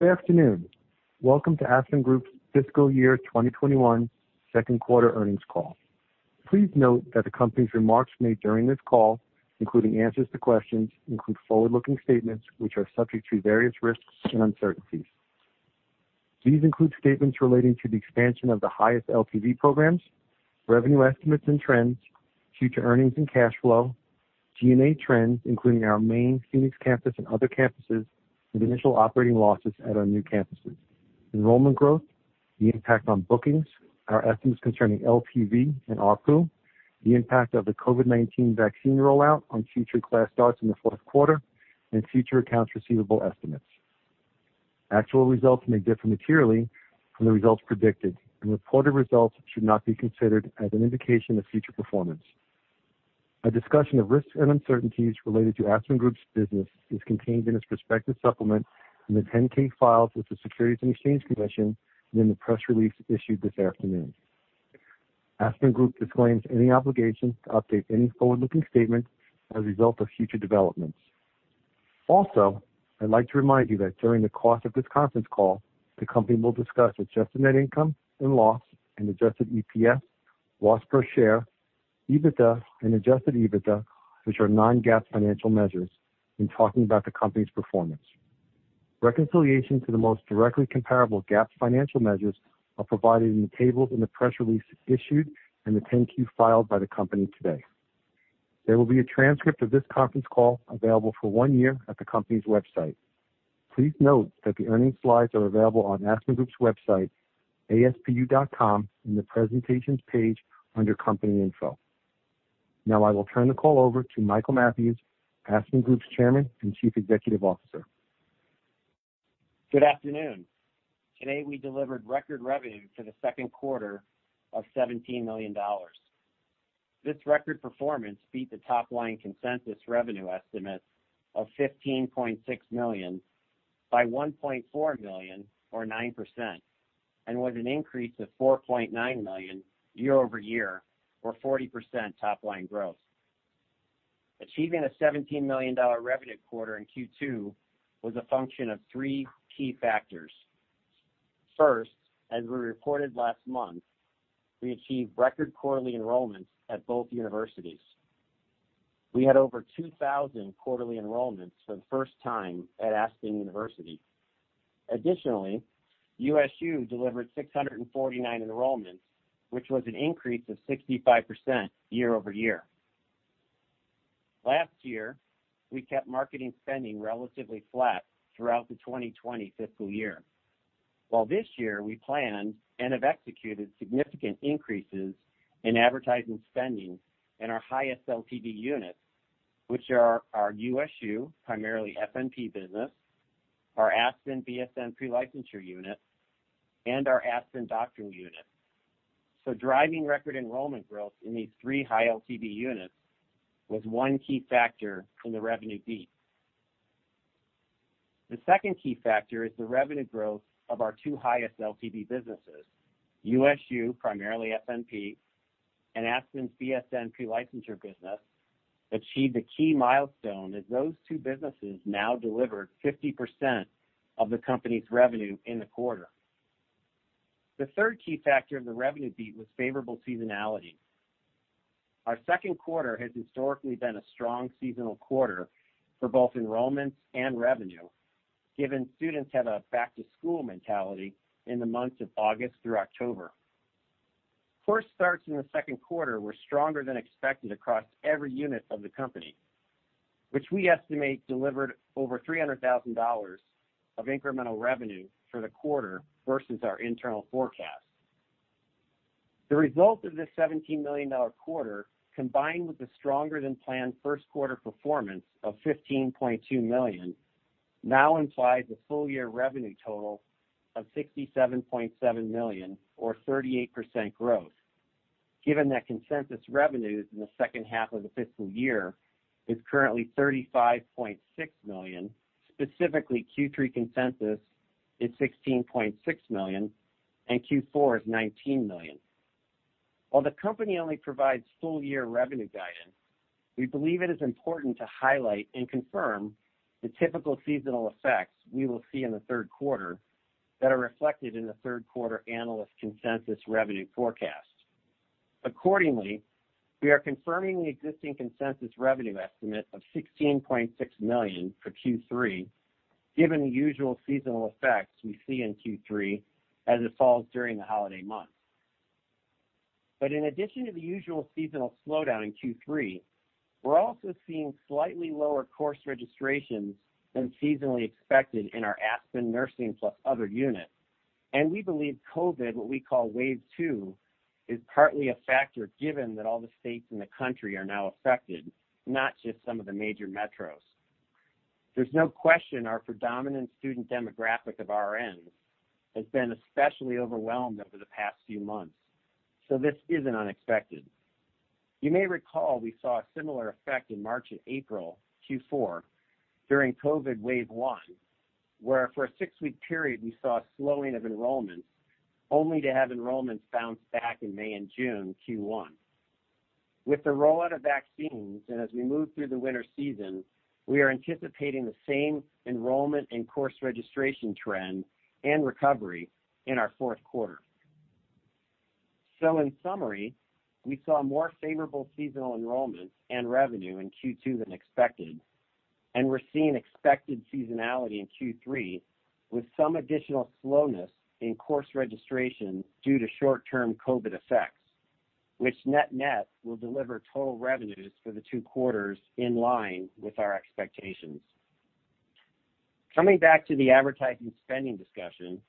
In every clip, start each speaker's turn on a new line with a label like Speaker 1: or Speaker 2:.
Speaker 1: Good afternoon. Welcome to Aspen Group's fiscal year 2021 second quarter earnings call. Please note that the company's remarks made during this call, including answers to questions, include forward-looking statements which are subject to various risks and uncertainties. These include statements relating to the expansion of the highest LTV programs, revenue estimates and trends, future earnings and cash flow, G&A trends, including our main Phoenix campus and other campuses, and initial operating losses at our new campuses, enrollment growth, the impact on bookings, our estimates concerning LTV and ARPU, the impact of the COVID-19 vaccine rollout on future class starts in the fourth quarter, and future accounts receivable estimates. Actual results may differ materially from the results predicted, and reported results should not be considered as an indication of future performance. A discussion of risks and uncertainties related to Aspen Group's business is contained in its respective supplement in the 10-K files with the Securities and Exchange Commission, and in the press release issued this afternoon. Aspen Group disclaims any obligation to update any forward-looking statements as a result of future developments. Also, I'd like to remind you that during the course of this conference call, the company will discuss adjusted net income and loss, and adjusted EPS, loss per share, EBITDA, and adjusted EBITDA, which are non-GAAP financial measures, in talking about the company's performance. Reconciliation to the most directly comparable GAAP financial measures are provided in the tables in the press release issued and the 10-Q filed by the company today. There will be a transcript of this conference call available for one year at the company's website. Please note that the earnings slides are available on Aspen Group's website, aspu.com, in the presentations page under company info. Now I will turn the call over to Michael Mathews, Aspen Group's chairman and chief executive officer.
Speaker 2: Good afternoon. Today, we delivered record revenue for the second quarter of $17 million. This record performance beat the top-line consensus revenue estimate of $15.6 million by $1.4 million or 9%, and was an increase of $4.9 million year-over-year or 40% top-line growth. Achieving a $17 million revenue quarter in Q2 was a function of three key factors. First, as we reported last month, we achieved record quarterly enrollments at both universities. We had over 2,000 quarterly enrollments for the first time at Aspen University. Additionally, USU delivered 649 enrollments, which was an increase of 65% year-over-year. This year, we planned and have executed significant increases in advertising spending in our highest LTV units, which are our USU, primarily FNP business, our Aspen BSN pre-licensure unit, and our Aspen doctorate unit. Driving record enrollment growth in these three high LTV units was one key factor in the revenue beat. The second key factor is the revenue growth of our two highest LTV businesses. USU, primarily FNP, and Aspen BSN pre-licensure business achieved a key milestone as those two businesses now delivered 50% of the company's revenue in the quarter. The third key factor in the revenue beat was favorable seasonality. Our second quarter has historically been a strong seasonal quarter for both enrollments and revenue, given students have a back-to-school mentality in the months of August through October. Course starts in the second quarter were stronger than expected across every unit of the company, which we estimate delivered over $300,000 of incremental revenue for the quarter versus our internal forecast. The result of this $17 million quarter, combined with the stronger-than-planned first quarter performance of $15.2 million, now implies a full-year revenue total of $67.7 million or 38% growth, given that consensus revenues in the second half of the fiscal year is currently $35.6 million. Specifically, Q3 consensus is $16.6 million, and Q4 is $19 million. While the company only provides full-year revenue guidance, we believe it is important to highlight and confirm the typical seasonal effects we will see in the third quarter that are reflected in the third quarter analyst consensus revenue forecast. Accordingly, we are confirming the existing consensus revenue estimate of $16.6 million for Q3, given the usual seasonal effects we see in Q3 as it falls during the holiday months. In addition to the usual seasonal slowdown in Q3, we're also seeing slightly lower course registrations than seasonally expected in our Aspen Nursing plus other unit, and we believe COVID, what we call Wave two, is partly a factor given that all the states in the country are now affected, not just some of the major metros. There's no question our predominant student demographic of RNs has been especially overwhelmed over the past few months. This isn't unexpected. You may recall we saw a similar effect in March and April, Q4, during COVID Wave one, where for a six-week period we saw a slowing of enrollments, only to have enrollments bounce back in May and June Q1. With the rollout of vaccines, and as we move through the winter season, we are anticipating the same enrollment and course registration trend and recovery in our fourth quarter. In summary, we saw more favorable seasonal enrollments and revenue in Q2 than expected, and we're seeing expected seasonality in Q3 with some additional slowness in course registration due to short-term COVID effects, which net-net will deliver total revenues for the two quarters in line with our expectations. Coming back to the advertising spending discussion,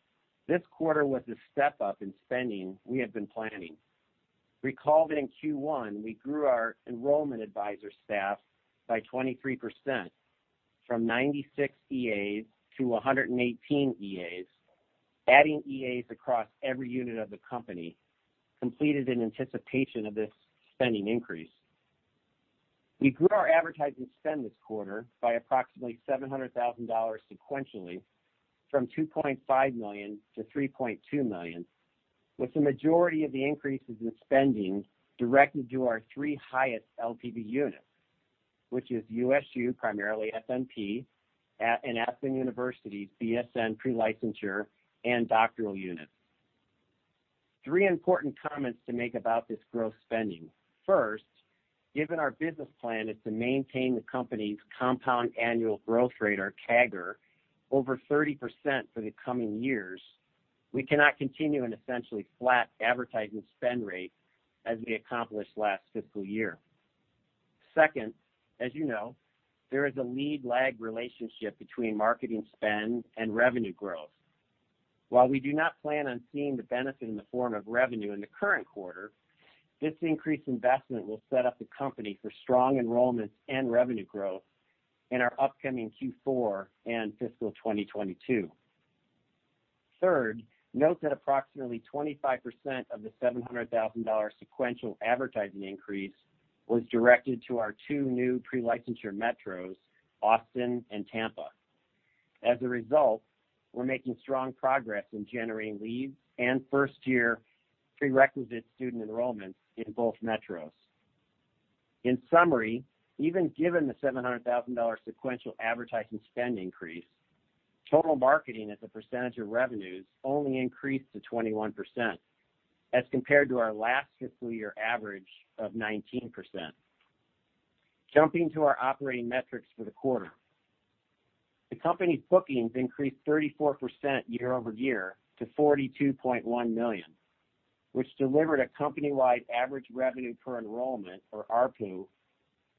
Speaker 2: this quarter was a step-up in spending we had been planning. Recall that in Q1, we grew our enrollment advisor staff by 23%, from 96 EAs to 118 EAs, adding EAs across every unit of the company, completed in anticipation of this spending increase. We grew our advertising spend this quarter by approximately $700,000 sequentially, from $2.5 million-$3.2 million, with the majority of the increases in spending directed to our three highest LTV units, which is USU, primarily FNP, and Aspen University's BSN pre-licensure and doctoral units. Three important comments to make about this growth spending. First, given our business plan is to maintain the company's compound annual growth rate, or CAGR, over 30% for the coming years, we cannot continue an essentially flat advertising spend rate as we accomplished last fiscal year. Second, as you know, there is a lead-lag relationship between marketing spend and revenue growth. While we do not plan on seeing the benefit in the form of revenue in the current quarter, this increased investment will set up the company for strong enrollment and revenue growth in our upcoming Q4 and fiscal 2022. Third, note that approximately 25% of the $700,000 sequential advertising increase was directed to our two new pre-licensure metros, Austin and Tampa. As a result, we're making strong progress in generating leads and first-year prerequisite student enrollments in both metros. In summary, even given the $700,000 sequential advertising spend increase, total marketing as a percentage of revenues only increased to 21%, as compared to our last fiscal year average of 19%. Jumping to our operating metrics for the quarter. The company's bookings increased 34% year-over-year to $42.1 million, which delivered a company-wide average revenue per enrollment, or ARPU,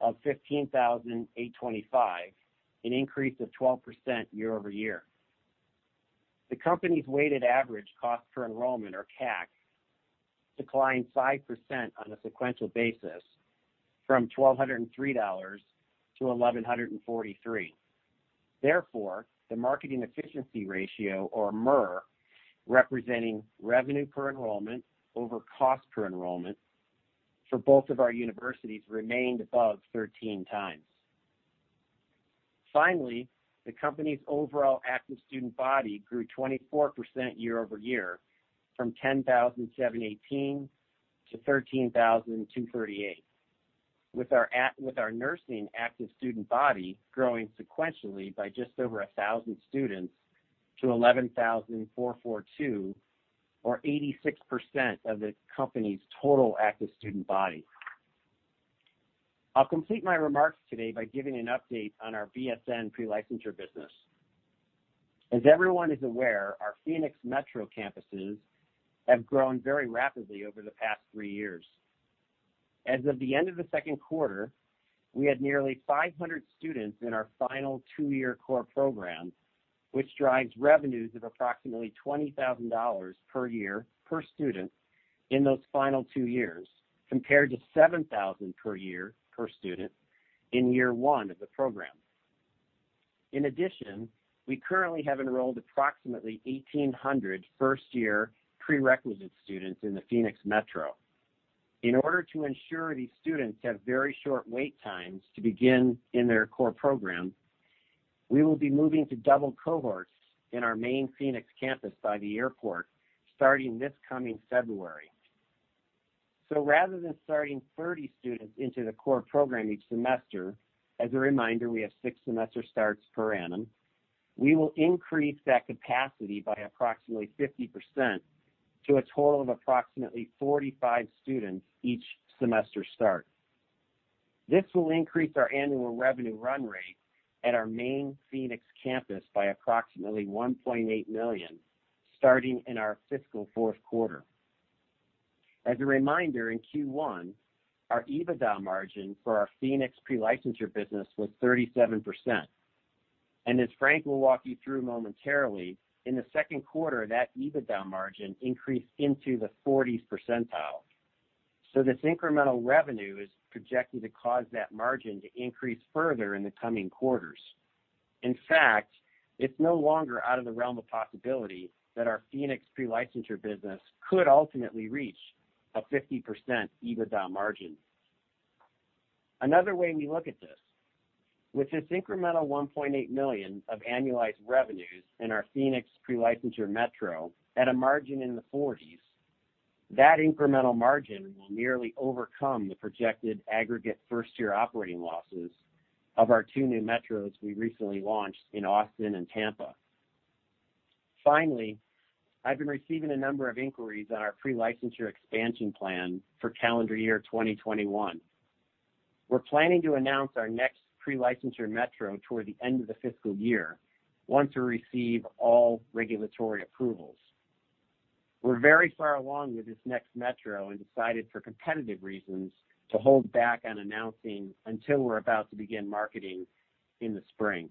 Speaker 2: of $15,825, an increase of 12% year-over-year. The company's weighted average cost per enrollment, or CAC, declined 5% on a sequential basis from $1,203-$1,143. The marketing efficiency ratio, or MER, representing revenue per enrollment over cost per enrollment for both of our universities remained above 13 times. The company's overall active student body grew 24% year-over-year, from 10,718-13,238. With our nursing active student body growing sequentially by just over 1,000 students to 11,442, or 86% of the company's total active student body. I'll complete my remarks today by giving an update on our BSN pre-licensure business. As everyone is aware, our Phoenix Metro campuses have grown very rapidly over the past three years. As of the end of the second quarter, we had nearly 500 students in our final two-year core program, which drives revenues of approximately $20,000 per year per student in those final two years, compared to $7,000 per year per student in year one of the program. In addition, we currently have enrolled approximately 1,800 first-year prerequisite students in the Phoenix Metro. In order to ensure these students have very short wait times to begin in their core program, we will be moving to double cohorts in our main Phoenix campus by the airport starting this coming February. Rather than starting 30 students into the core program each semester, as a reminder, we have six semester starts per annum, we will increase that capacity by approximately 50% to a total of approximately 45 students each semester start. This will increase our annual revenue run rate at our main Phoenix campus by approximately $1.8 million starting in our fiscal fourth quarter. As a reminder, in Q1, our EBITDA margin for our Phoenix pre-licensure business was 37%. As Frank will walk you through momentarily, in the second quarter, that EBITDA margin increased into the 40s percentile. This incremental revenue is projected to cause that margin to increase further in the coming quarters. In fact, it's no longer out of the realm of possibility that our Phoenix pre-licensure business could ultimately reach a 50% EBITDA margin. Another way we look at this, with this incremental $1.8 million of annualized revenues in our Phoenix pre-licensure metro at a margin in the 40s, that incremental margin will nearly overcome the projected aggregate first-year operating losses of our two new metros we recently launched in Austin and Tampa. I've been receiving a number of inquiries on our pre-licensure expansion plan for calendar year 2021. We're planning to announce our next pre-licensure metro toward the end of the fiscal year, once we receive all regulatory approvals. We're very far along with this next metro and decided for competitive reasons to hold back on announcing until we're about to begin marketing in the spring.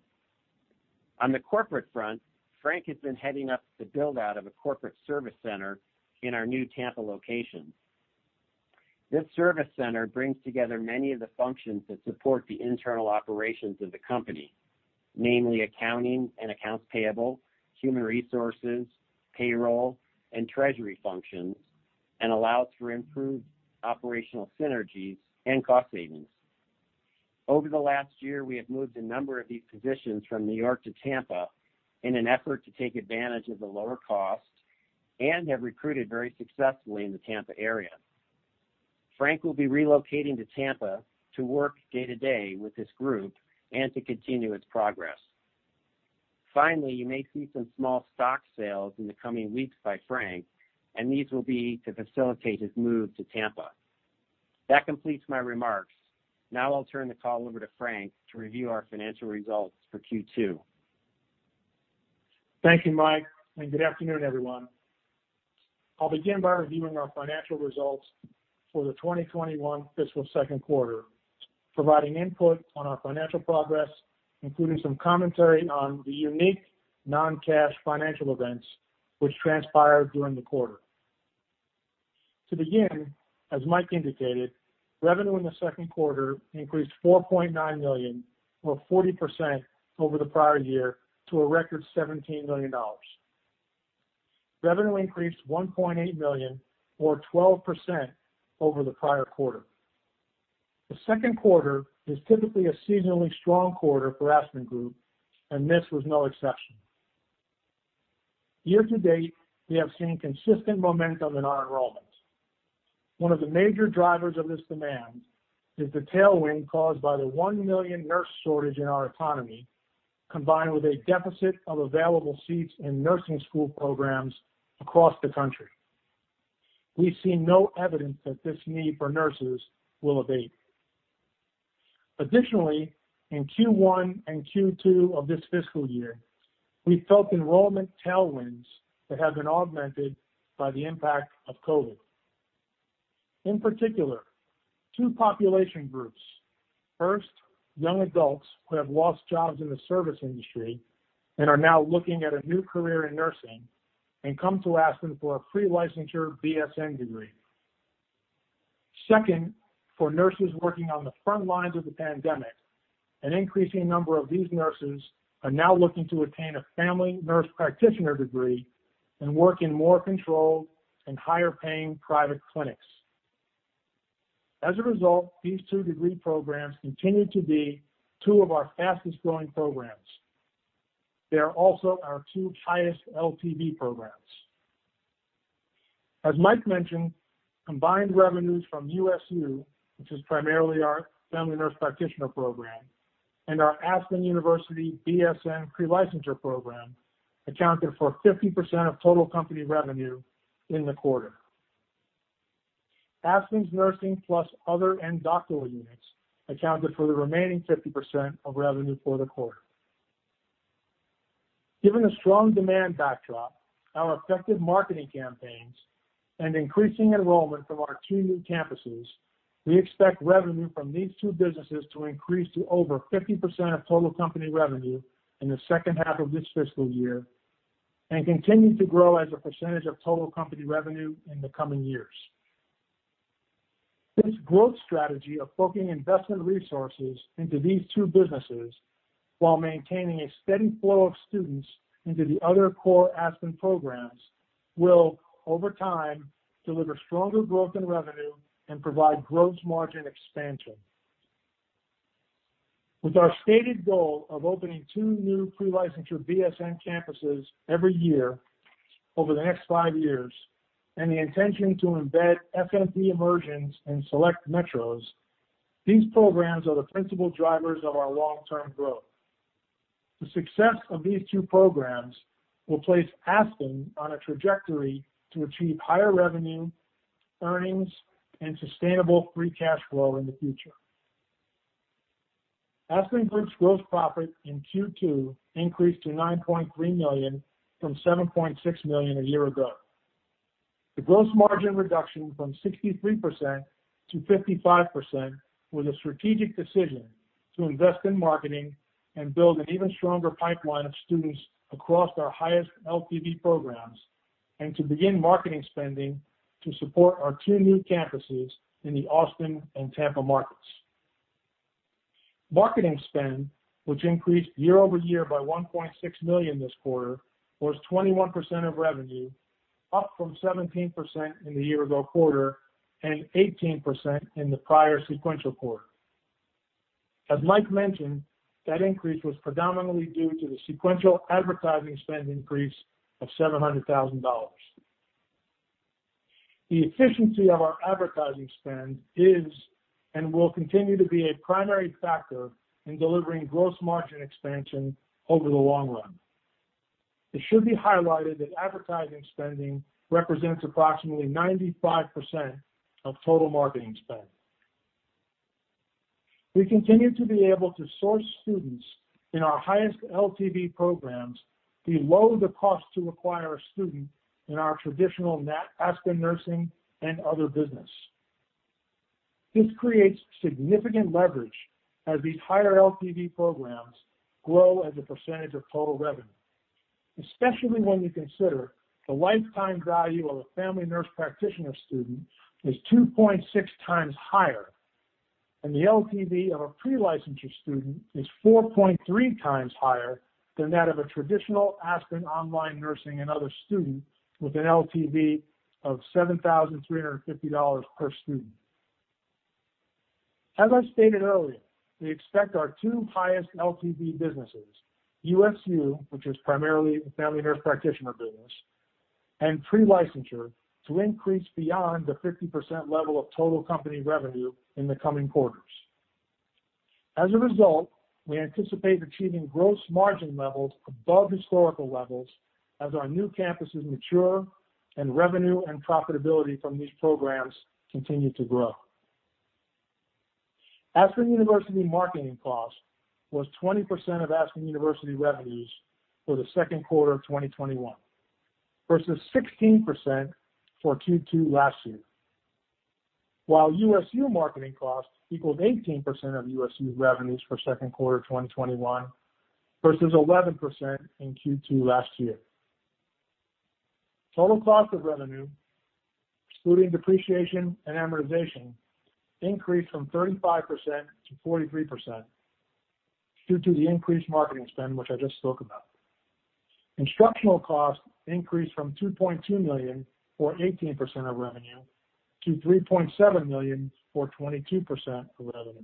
Speaker 2: On the corporate front, Frank has been heading up the build-out of a corporate service center in our new Tampa location. This service center brings together many of the functions that support the internal operations of the company, namely accounting and accounts payable, human resources, payroll, and treasury functions, and allows for improved operational synergies and cost savings. Over the last year, we have moved a number of these positions from New York to Tampa in an effort to take advantage of the lower cost and have recruited very successfully in the Tampa area. Frank will be relocating to Tampa to work day-to-day with this group and to continue its progress. Finally, you may see some small stock sales in the coming weeks by Frank, and these will be to facilitate his move to Tampa. That completes my remarks. Now I'll turn the call over to Frank to review our financial results for Q2.
Speaker 3: Thank you, Mike, and good afternoon, everyone. I'll begin by reviewing our financial results for the 2021 fiscal second quarter, providing input on our financial progress, including some commentary on the unique non-cash financial events which transpired during the quarter. To begin, as Mike indicated, revenue in the second quarter increased $4.9 million or 40% over the prior year to a record $17 million. Revenue increased $1.8 million or 12% over the prior quarter. The second quarter is typically a seasonally strong quarter for Aspen Group, and this was no exception. Year to date, we have seen consistent momentum in our enrollment. One of the major drivers of this demand is the tailwind caused by the 1 million nurse shortage in our economy, combined with a deficit of available seats in nursing school programs across the country. We see no evidence that this need for nurses will abate. Additionally, in Q1 and Q2 of this fiscal year, we felt enrollment tailwinds that have been augmented by the impact of COVID. In particular, two population groups. First, young adults who have lost jobs in the service industry and are now looking at a new career in nursing and come to Aspen for a pre-licensure BSN degree. Second, for nurses working on the front lines of the pandemic, an increasing number of these nurses are now looking to obtain a family nurse practitioner degree and work in more controlled and higher-paying private clinics. As a result, these two degree programs continue to be two of our fastest-growing programs. They are also our two highest LTV programs. As Mike mentioned, combined revenues from USU, which is primarily our family nurse practitioner program, and our Aspen University BSN pre-licensure program accounted for 50% of total company revenue in the quarter. Aspen's nursing plus other and doctoral units accounted for the remaining 50% of revenue for the quarter. Given a strong demand backdrop, our effective marketing campaigns, and increasing enrollment from our two new campuses, we expect revenue from these two businesses to increase to over 50% of total company revenue in the second half of this fiscal year and continue to grow as a percentage of total company revenue in the coming years. This growth strategy of focusing investment resources into these two businesses while maintaining a steady flow of students into the other core Aspen programs will, over time, deliver stronger growth in revenue and provide gross margin expansion. With our stated goal of opening two new pre-licensure BSN campuses every year over the next five years, and the intention to embed FNP immersions in select metros, these programs are the principal drivers of our long-term growth. The success of these two programs will place Aspen on a trajectory to achieve higher revenue, earnings, and sustainable free cash flow in the future. Aspen Group's gross profit in Q2 increased to $9.3 million from $7.6 million a year ago. The gross margin reduction from 63%-55% was a strategic decision to invest in marketing and build an even stronger pipeline of students across our highest LTV programs and to begin marketing spending to support our two new campuses in the Austin and Tampa markets. Marketing spend, which increased year-over-year by $1.6 million this quarter, was 21% of revenue, up from 17% in the year-ago quarter and 18% in the prior sequential quarter. As Mike mentioned, that increase was predominantly due to the sequential advertising spend increase of $700,000. The efficiency of our advertising spend is and will continue to be a primary factor in delivering gross margin expansion over the long run. It should be highlighted that advertising spending represents approximately 95% of total marketing spend. We continue to be able to source students in our highest LTV programs below the cost to acquire a student in our traditional Aspen Nursing and other business. This creates significant leverage as these higher LTV programs grow as a percentage of total revenue, especially when you consider the lifetime value of a Family Nurse Practitioner student is 2.6x higher, and the LTV of a pre-licensure student is 4.3 times higher than that of a traditional Aspen online nursing and other student with an LTV of $7,350 per student. As I stated earlier, we expect our two highest LTV businesses, USU, which is primarily the family nurse practitioner business, and pre-licensure, to increase beyond the 50% level of total company revenue in the coming quarters. As a result, we anticipate achieving gross margin levels above historical levels as our new campuses mature and revenue and profitability from these programs continue to grow. Aspen University marketing cost was 20% of Aspen University revenues for the second quarter of 2021 versus 16% for Q2 last year. While USU marketing cost equals 18% of USU's revenues for second quarter 2021 versus 11% in Q2 last year. Total cost of revenue, excluding depreciation and amortization, increased from 35%-43% due to the increased marketing spend, which I just spoke about. Instructional costs increased from $2.2 million, or 18% of revenue, to $3.7 million, or 22% of revenue.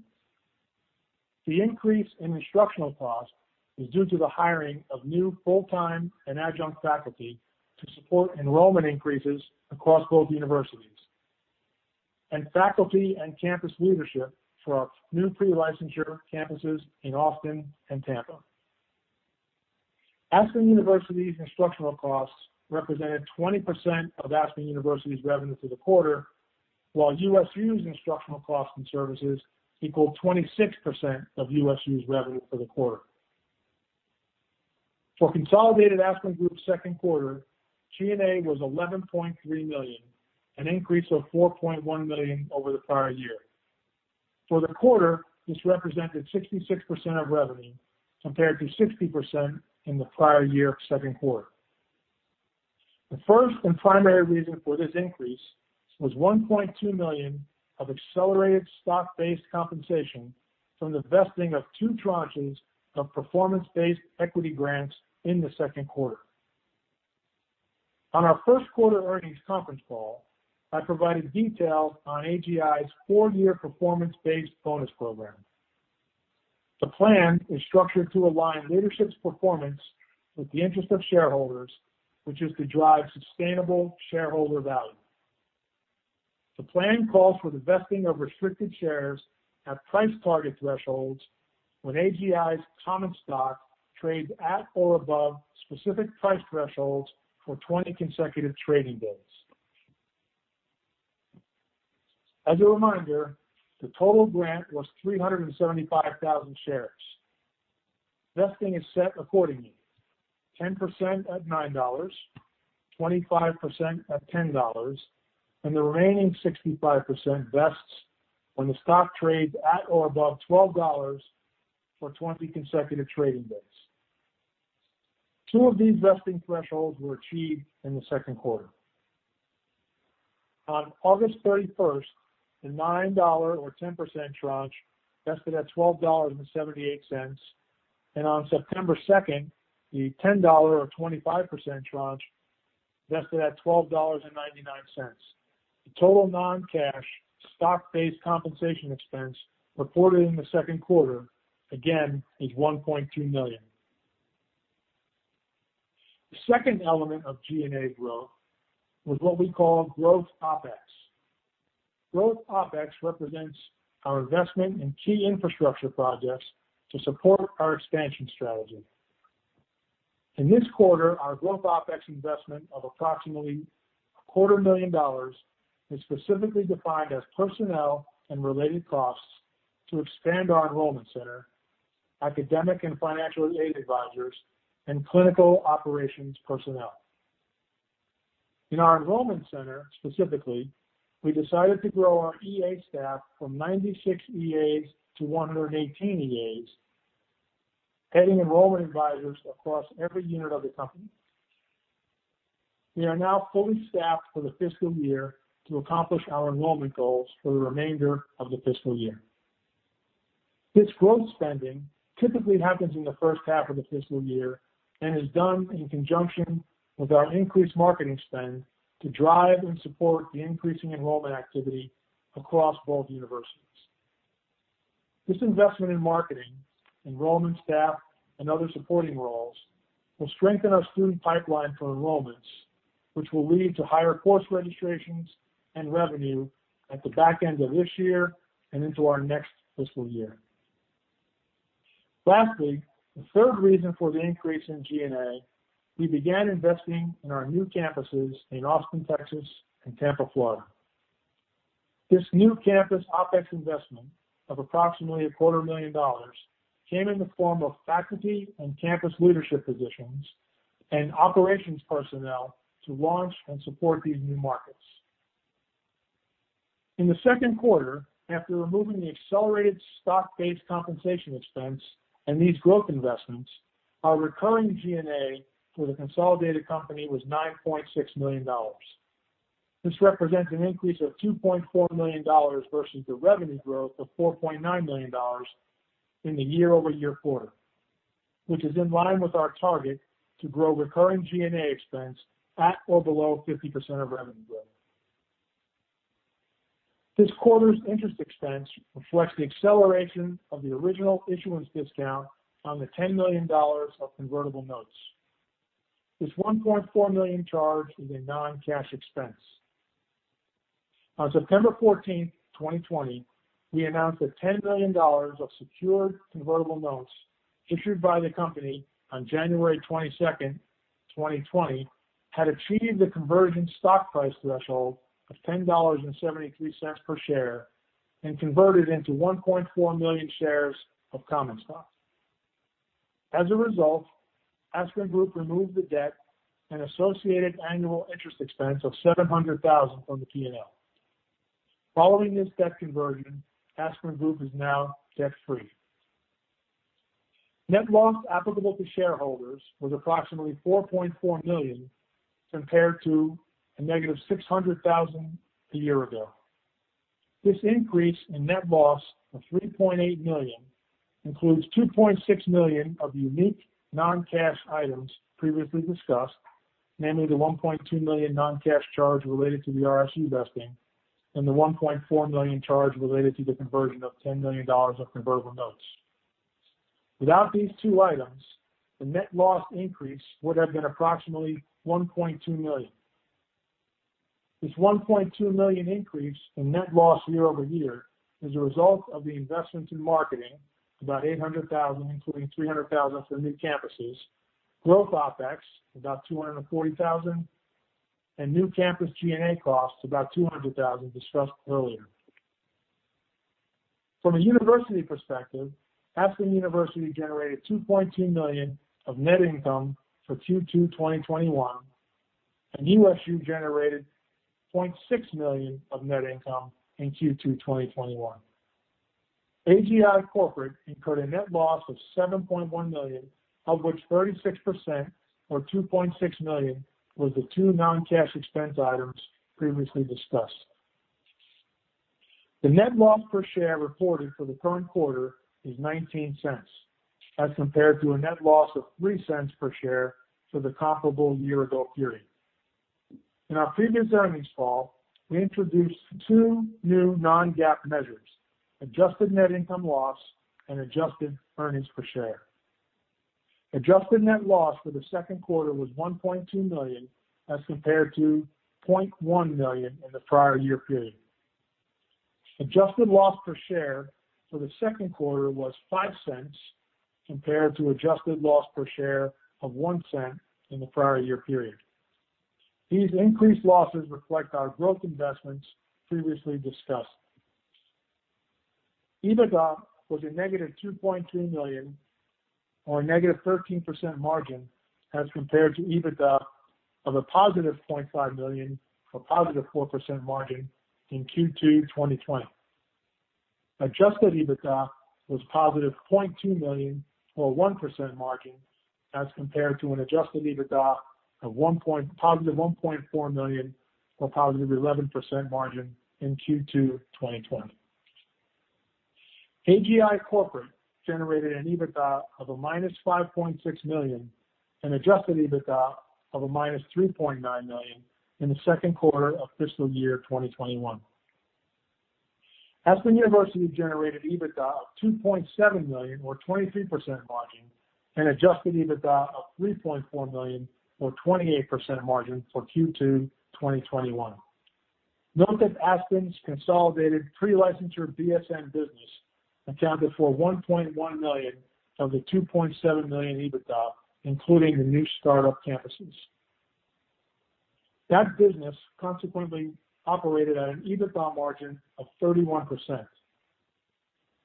Speaker 3: Faculty and campus leadership for our new pre-licensure campuses in Austin and Tampa. Aspen University's instructional costs represented 20% of Aspen University's revenue for the quarter, while USU's instructional costs and services equaled 26% of USU's revenue for the quarter. For consolidated Aspen Group's second quarter, G&A was $11.3 million, an increase of $4.1 million over the prior year. For the quarter, this represented 66% of revenue, compared to 60% in the prior year second quarter. The first and primary reason for this increase was $1.2 million of accelerated stock-based compensation from the vesting of two tranches of performance-based equity grants in the second quarter. On our first quarter earnings conference call, I provided details on AGI's four-year performance-based bonus program. The plan is structured to align leadership's performance with the interest of shareholders, which is to drive sustainable shareholder value. The plan calls for the vesting of restricted shares at price target thresholds when AGI's common stock trades at or above specific price thresholds for 20 consecutive trading days. As a reminder, the total grant was 375,000 shares. Vesting is set accordingly. 10% at $9, 25% at $10, and the remaining 65% vests when the stock trades at or above $12 for 20 consecutive trading days. Two of these vesting thresholds were achieved in the second quarter. On August 31st, the $9, or 10% tranche vested at $12.78. On September 2nd, the $10, or 25% tranche vested at $12.99. The total non-cash stock-based compensation expense reported in the second quarter, again, is $1.2 million. The second element of G&A growth was what we call growth OpEx. Growth OpEx represents our investment in key infrastructure projects to support our expansion strategy. In this quarter, our growth OpEx investment of approximately a quarter million dollars is specifically defined as personnel and related costs to expand our enrollment center, academic and financial aid advisors, and clinical operations personnel. In our enrollment center, specifically, we decided to grow our EA staff from 96 EAs to 118 EAs, adding enrollment advisors across every unit of the company. We are now fully staffed for the fiscal year to accomplish our enrollment goals for the remainder of the fiscal year. This growth spending typically happens in the first half of the fiscal year and is done in conjunction with our increased marketing spend to drive and support the increasing enrollment activity across both universities. This investment in marketing, enrollment staff, and other supporting roles will strengthen our student pipeline for enrollments, which will lead to higher course registrations and revenue at the back end of this year and into our next fiscal year. The third reason for the increase in G&A, we began investing in our new campuses in Austin, Texas, and Tampa, Florida. This new campus OpEx investment of approximately a quarter million dollars came in the form of faculty and campus leadership positions and operations personnel to launch and support these new markets. In the second quarter, after removing the accelerated stock-based compensation expense and these growth investments, our recurring G&A for the consolidated company was $9.6 million. This represents an increase of $2.4 million versus the revenue growth of $4.9 million in the year-over-year quarter, which is in line with our target to grow recurring G&A expense at or below 50% of revenue growth. This quarter's interest expense reflects the acceleration of the original issuance discount on the $10 million of convertible notes. This $1.4 million charge is a non-cash expense. On September 14th, 2020, we announced that $10 million of secured convertible notes issued by the company on January 22nd, 2020, had achieved the conversion stock price threshold of $10.73 per share and converted into 1.4 million shares of common stock. As a result, Aspen Group removed the debt and associated annual interest expense of $700,000 from the P&L. Following this debt conversion, Aspen Group is now debt-free. Net loss applicable to shareholders was approximately $4.4 million, compared to a $-600,000 a year ago. This increase in net loss of $3.8 million includes $2.6 million of unique non-cash items previously discussed, namely the $1.2 million non-cash charge related to the RSU vesting and the $1.4 million charge related to the conversion of $10 million of convertible notes. Without these two items, the net loss increase would have been approximately $1.2 million. This $1.2 million increase in net loss year-over-year is a result of the investments in marketing, about $800,000, including $300,000 for new campuses, growth OpEx, about $240,000, and new campus G&A costs, about $200,000, discussed earlier. From a university perspective, Aspen University generated $2.2 million of net income for Q2 2021. USU generated $0.6 million of net income in Q2 2021. AGI Corporate incurred a net loss of $7.1 million, of which 36%, or $2.6 million, was the two non-cash expense items previously discussed. The net loss per share reported for the current quarter is $0.19 as compared to a net loss of $0.03 per share for the comparable year-ago period. In our previous earnings call, we introduced two new non-GAAP measures, adjusted net income loss and adjusted earnings per share. Adjusted net loss for the second quarter was $1.2 million as compared to $0.1 million in the prior year period. Adjusted loss per share for the second quarter was $0.05 compared to adjusted loss per share of $0.01 in the prior year period. These increased losses reflect our growth investments previously discussed. EBITDA was a negative $2.2 million or a -13% margin as compared to EBITDA of a $+0.5 million or +4% margin in Q2 2020. Adjusted EBITDA was $0.2 million or a 1% margin as compared to an adjusted EBITDA of $1.4 million or an 11% margin in Q2 2020. AGI Corporate generated an EBITDA of -$5.6 million and adjusted EBITDA of -$3.9 million in the second quarter of fiscal year 2021. Aspen University generated EBITDA of $2.7 million or 23% margin and adjusted EBITDA of $3.4 million or 28% margin for Q2 2021. Note that Aspen's consolidated pre-licensure BSN business accounted for $1.1 million of the $2.7 million EBITDA, including the new startup campuses. That business consequently operated at an EBITDA margin of 31%,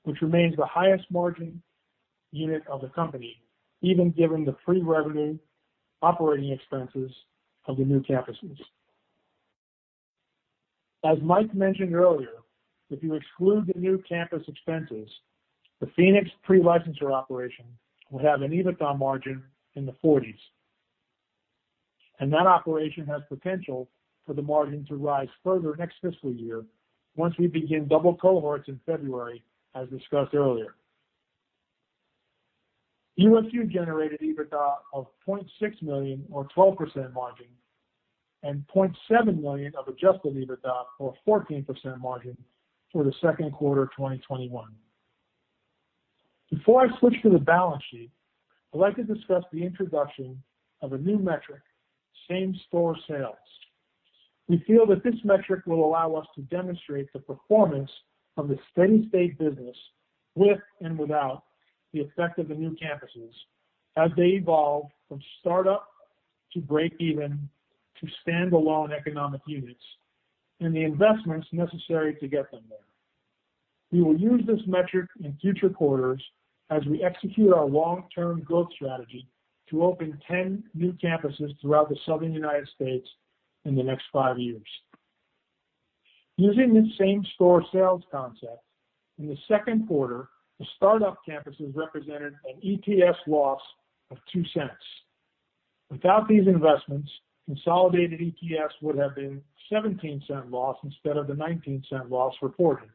Speaker 3: which remains the highest margin unit of the company, even given the pre-revenue operating expenses of the new campuses. As Mike mentioned earlier, if you exclude the new campus expenses, the Phoenix pre-licensure operation will have an EBITDA margin in the 40s. That operation has potential for the margin to rise further next fiscal year once we begin double cohorts in February, as discussed earlier. USU generated EBITDA of $0.6 million, or 12% margin, and $0.7 million of adjusted EBITDA, or 14% margin, for the second quarter of 2021. Before I switch to the balance sheet, I'd like to discuss the introduction of a new metric, same-store sales. We feel that this metric will allow us to demonstrate the performance of the steady state business with and without the effect of the new campuses as they evolve from start-up to break even, to standalone economic units, and the investments necessary to get them there. We will use this metric in future quarters as we execute our long-term growth strategy to open 10 new campuses throughout the Southern United States in the next five years. Using this same-store sales concept, in the second quarter, the start-up campuses represented an EPS loss of $0.02. Without these investments, consolidated EPS would have been $0.17 loss instead of the $0.19 loss reported,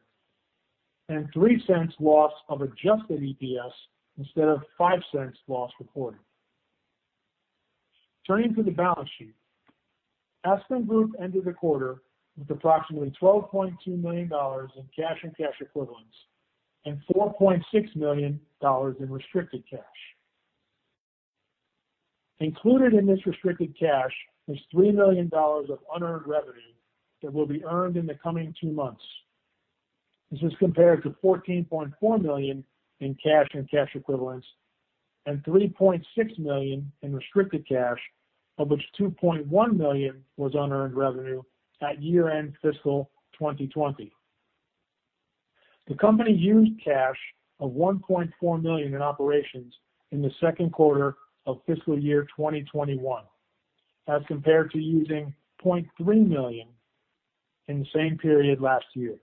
Speaker 3: and $0.03 loss of adjusted EPS instead of $0.05 loss reported. Turning to the balance sheet. Aspen Group ended the quarter with approximately $12.2 million in cash and cash equivalents, and $4.6 million in restricted cash. Included in this restricted cash is $3 million of unearned revenue that will be earned in the coming two months. This is compared to $14.4 million in cash and cash equivalents, and $3.6 million in restricted cash, of which $2.1 million was unearned revenue at year-end fiscal 2020. The company used cash of $1.4 million in operations in the second quarter of fiscal year 2021, as compared to using $0.3 million in the same period last year.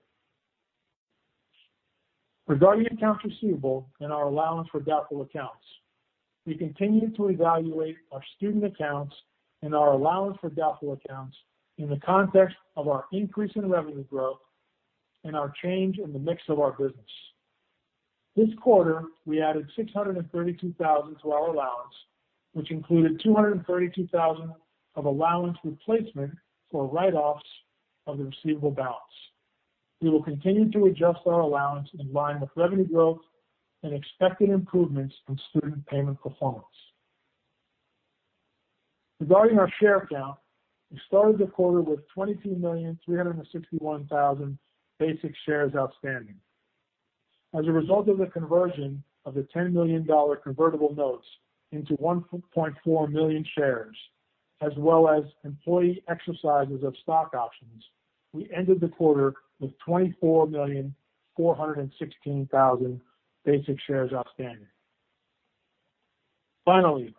Speaker 3: Regarding accounts receivable and our allowance for doubtful accounts, we continue to evaluate our student accounts and our allowance for doubtful accounts in the context of our increase in revenue growth and our change in the mix of our business. This quarter, we added $632,000 to our allowance, which included $232,000 of allowance replacement for write-offs of the receivable balance. We will continue to adjust our allowance in line with revenue growth and expected improvements in student payment performance. Regarding our share count, we started the quarter with 22,361,000 basic shares outstanding. As a result of the conversion of the $10 million convertible notes into 1.4 million shares, as well as employee exercises of stock options, we ended the quarter with 24,416,000 basic shares outstanding. Finally,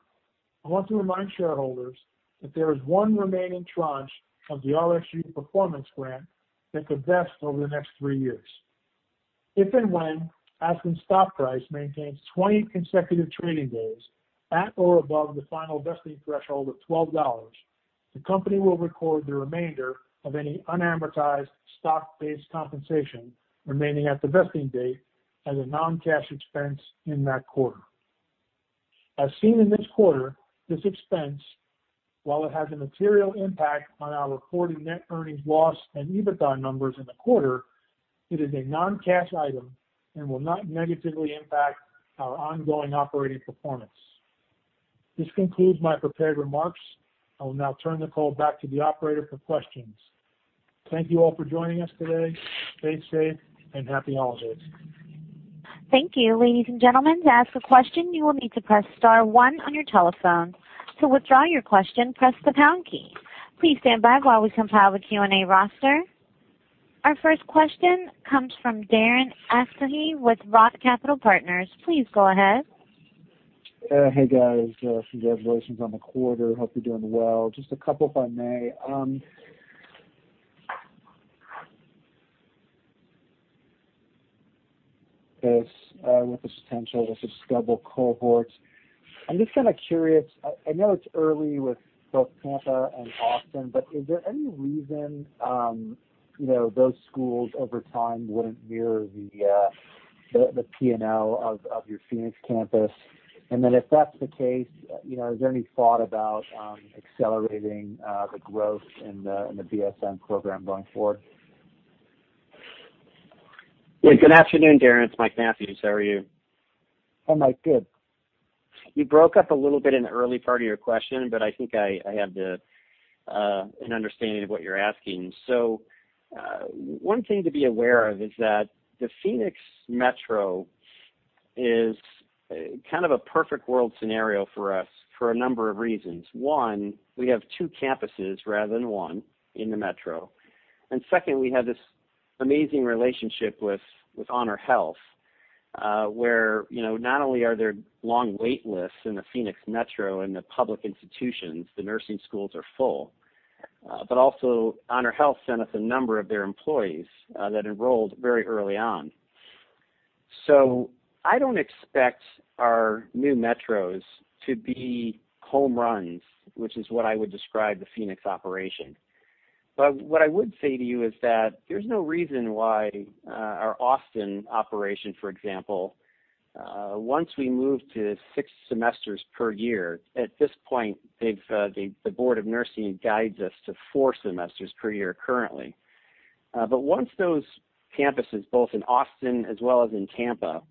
Speaker 3: I want to remind shareholders that there is one remaining tranche of the RSU performance grant that could vest over the next three years. If and when Aspen's stock price maintains 20 consecutive trading days at or above the final vesting threshold of $12, the company will record the remainder of any unamortized stock-based compensation remaining at the vesting date as a non-cash expense in that quarter. As seen in this quarter, this expense, while it has a material impact on our reported net earnings loss and EBITDA numbers in the quarter, it is a non-cash item and will not negatively impact our ongoing operating performance. This concludes my prepared remarks. I will now turn the call back to the operator for questions. Thank you all for joining us today. Stay safe, and happy holidays.
Speaker 1: Thank you. Ladies and gentlemen, to ask a question, you will need to press star one on your telephone. To withdraw your question, press the pound key. Please stand by while we compile the Q&A roster. Our first question comes from Darren Aftahi with Roth Capital Partners. Please go ahead.
Speaker 4: Hey, guys. Congratulations on the quarter. Hope you're doing well. Just a couple if I may. With the potential with the double cohorts, I'm just kind of curious, I know it's early with both Tampa and Austin, but is there any reason those schools over time wouldn't mirror the P&L of your Phoenix campus? If that's the case, is there any thought about accelerating the growth in the BSN program going forward?
Speaker 2: Yeah. Good afternoon, Darren. It's Mike Mathews. How are you?
Speaker 4: Hi, Mike. Good.
Speaker 2: You broke up a little bit in the early part of your question, but I think I have an understanding of what you're asking. One thing to be aware of is that the Phoenix Metro is kind of a perfect world scenario for us for a number of reasons. One, we have two campuses rather than one in the metro. Second, we have this amazing relationship with HonorHealth. Where not only are there long waitlists in the Phoenix metro and the public institutions, the nursing schools are full, HonorHealth sent us a number of their employees that enrolled very early on. I don't expect our new metros to be home runs, which is what I would describe the Phoenix operation. What I would say to you is that there's no reason why our Austin operation, for example, once we move to six semesters per year. At this point, the Board of Nursing guides us to four semesters per year currently. Once those campuses, both in Austin as well as in Tampa,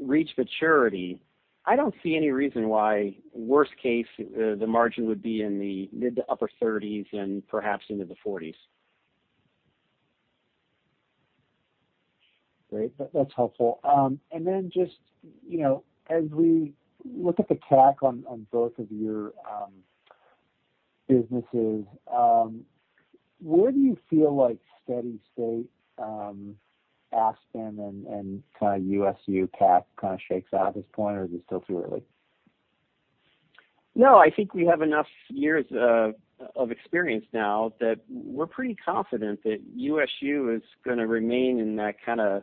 Speaker 2: reach maturity, I don't see any reason why, worst case, the margin would be in the mid to upper 30s and perhaps into the 40s.
Speaker 4: Great. That's helpful. Then just as we look at the tack on both of your businesses, where do you feel like steady state Aspen and USU path shakes out at this point, or is it still too early?
Speaker 2: No, I think we have enough years of experience now that we're pretty confident that USU is going to remain in that kind of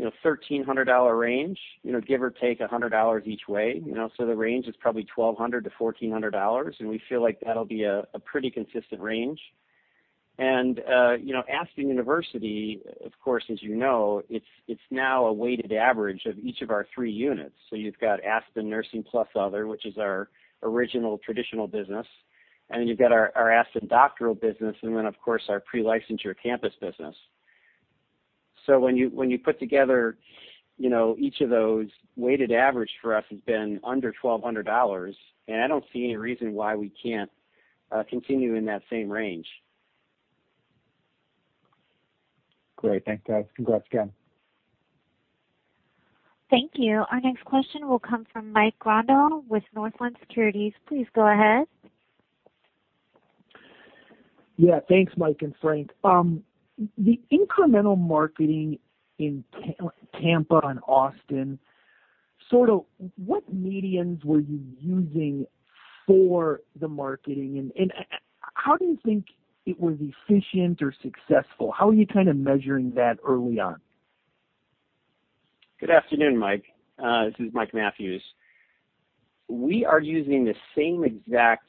Speaker 2: $1,300 range, give or take $100 each way. The range is probably $1,200-$1,400, and we feel like that'll be a pretty consistent range. Aspen University, of course, as you know, it's now a weighted average of each of our three units. You've got Aspen Nursing plus other, which is our original traditional business, and then you've got our Aspen Doctoral business and then, of course, our pre-licensure campus business. When you put together each of those, weighted average for us has been under $1,200, and I don't see any reason why we can't continue in that same range.
Speaker 4: Great. Thanks, guys. Congrats again.
Speaker 1: Thank you. Our next question will come from Mike Grondahl with Northland Securities. Please go ahead.
Speaker 5: Yeah, thanks, Mike and Frank. The incremental marketing in Tampa and Austin, what mediums were you using for the marketing, and how do you think it was efficient or successful? How are you measuring that early on?
Speaker 2: Good afternoon, Mike. This is Michael Mathews. We are using the same exact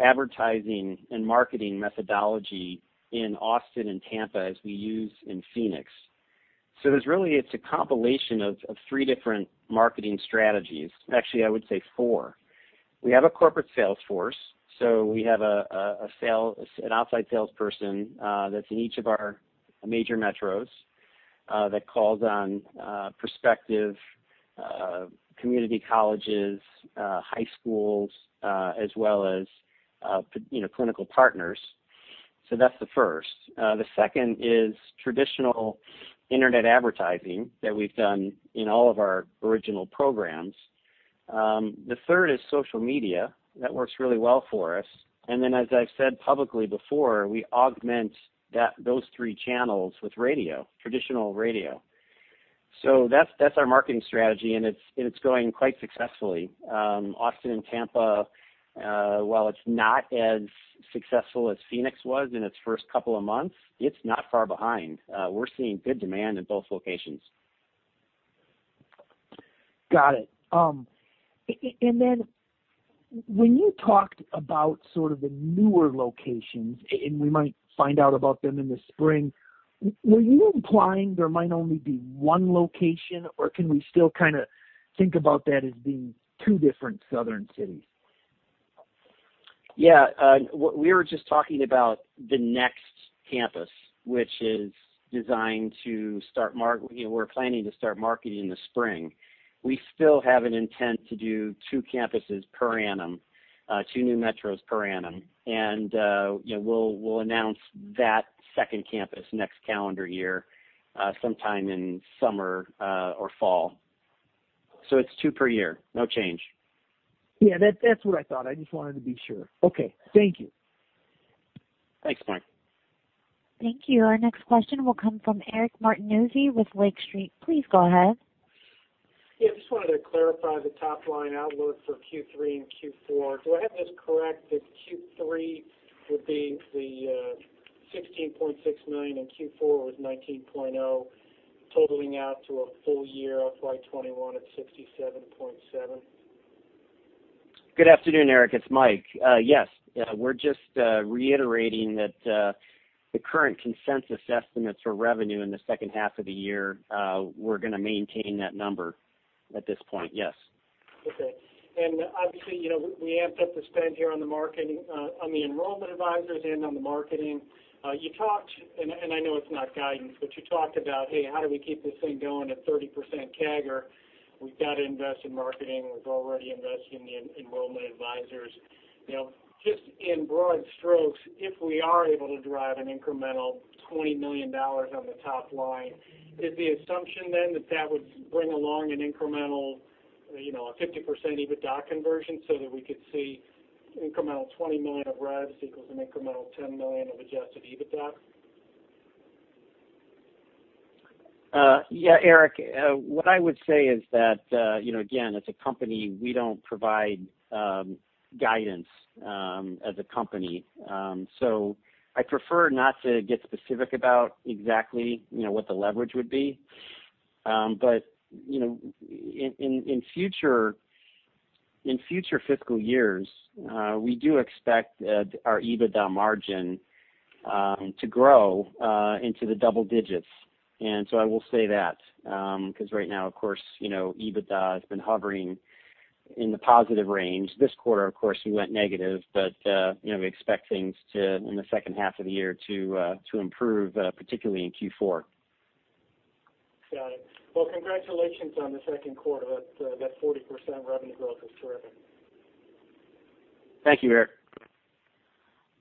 Speaker 2: advertising and marketing methodology in Austin and Tampa as we use in Phoenix. It's a compilation of three different marketing strategies. Actually, I would say four. We have a corporate sales force. We have an outside salesperson that's in each of our major metros that calls on prospective community colleges, high schools, as well as clinical partners. That's the first. The second is traditional internet advertising that we've done in all of our original programs. The third is social media. That works really well for us. As I've said publicly before, we augment those three channels with radio, traditional radio. That's our marketing strategy, and it's going quite successfully. Austin and Tampa, while it's not as successful as Phoenix was in its first couple of months, it's not far behind. We're seeing good demand in both locations.
Speaker 5: Got it. When you talked about sort of the newer locations, and we might find out about them in the spring, were you implying there might only be one location, or can we still kind of think about that as being two different southern cities?
Speaker 2: Yeah. We were just talking about the next campus, which we're planning to start marketing in the spring. We still have an intent to do two campuses per annum, two new metros per annum. We'll announce that second campus next calendar year, sometime in summer or fall. It's two per year. No change.
Speaker 5: Yeah, that's what I thought. I just wanted to be sure. Okay. Thank you.
Speaker 2: Thanks, Mike.
Speaker 1: Thank you. Our next question will come from Eric Martinuzzi with Lake Street. Please go ahead.
Speaker 6: Yeah, just wanted to clarify the top-line outlook for Q3 and Q4. Do I have this correct, that Q3 would be the $16.6 million and Q4 was $19.0 million, totaling out to a full-year FY 2021 at $67.7 million?
Speaker 2: Good afternoon, Eric. It's Mike. Yes. We're just reiterating that the current consensus estimates for revenue in the second half of the year, we're going to maintain that number at this point, yes.
Speaker 6: Okay. Obviously, we amped up the spend here on the Enrollment Advisors and on the marketing. You talked, and I know it's not guidance, but you talked about, hey, how do we keep this thing going at 30% CAGR? We've got to invest in marketing. We've already invested in the Enrollment Advisors. Just in broad strokes, if we are able to drive an incremental $20 million on the top line, is the assumption then that that would bring along an incremental, a 50% EBITDA conversion so that we could see incremental $20 million of revs equals an incremental $10 million of adjusted EBITDA?
Speaker 2: Yeah, Eric, what I would say is that, again, as a company, we don't provide guidance as a company. I'd prefer not to get specific about exactly what the leverage would be. In future fiscal years, we do expect our EBITDA margin to grow into the double digits. I will say that, because right now, of course, EBITDA has been hovering in the positive range. This quarter, of course, we went negative, but we expect things to, in the second half of the year, to improve, particularly in Q4.
Speaker 6: Got it. Well, congratulations on the second quarter. That 40% revenue growth is terrific.
Speaker 2: Thank you, Eric.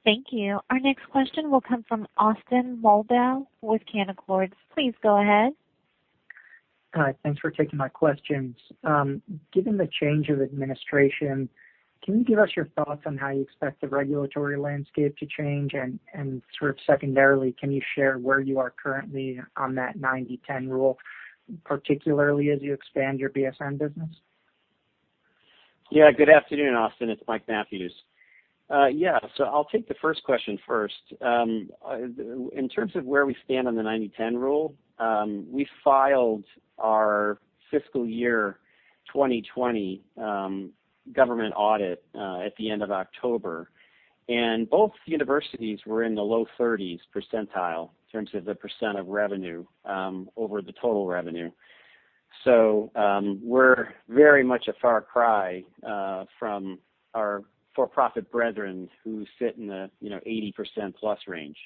Speaker 1: Thank you. Our next question will come from Austin Moeller with Canaccord. Please go ahead.
Speaker 7: Hi. Thanks for taking my questions. Given the change of administration, can you give us your thoughts on how you expect the regulatory landscape to change? Sort of secondarily, can you share where you are currently on that 90/10 rule, particularly as you expand your BSN business?
Speaker 2: Yeah. Good afternoon, Austin. It's Michael Mathews. Yeah. I'll take the first question first. In terms of where we stand on the 90/10 rule, we filed our fiscal year 2020 government audit at the end of October. Both universities were in the low 30s percentile in terms of the percentage of revenue over the total revenue. We're very much a far cry from our for-profit brethren who sit in the 80%+ range.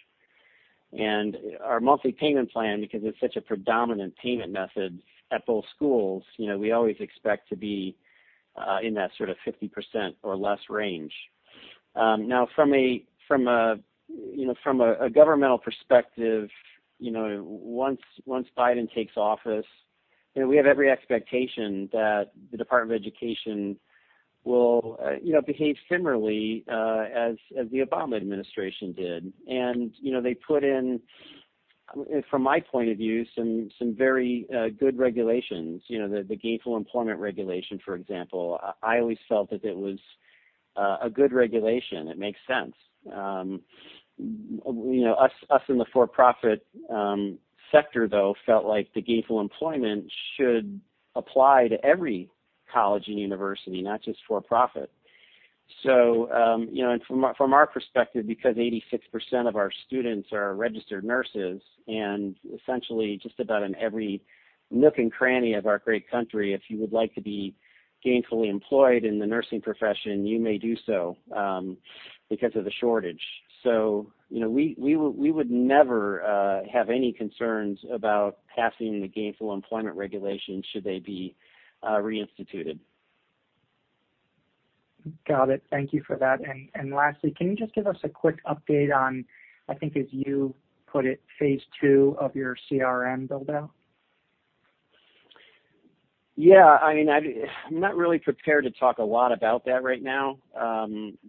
Speaker 2: Our monthly payment plan, because it's such a predominant payment method at both schools, we always expect to be in that sort of 50% or less range. Now, from a governmental perspective, once Biden takes office, we have every expectation that the Department of Education will behave similarly as the Obama administration did. They put in, from my point of view, some very good regulations. The gainful employment regulation, for example, I always felt that it was a good regulation. It makes sense. Us in the for-profit sector, though, felt like the gainful employment should apply to every college and university, not just for-profit. From our perspective, because 86% of our students are Registered Nurses and essentially just about in every nook and cranny of our great country, if you would like to be gainfully employed in the nursing profession, you may do so because of the shortage. We would never have any concerns about passing the gainful employment regulation should they be reinstituted.
Speaker 7: Got it. Thank you for that. Lastly, can you just give us a quick update on, I think, as you put it, phase II of your CRM build-out?
Speaker 2: I'm not really prepared to talk a lot about that right now.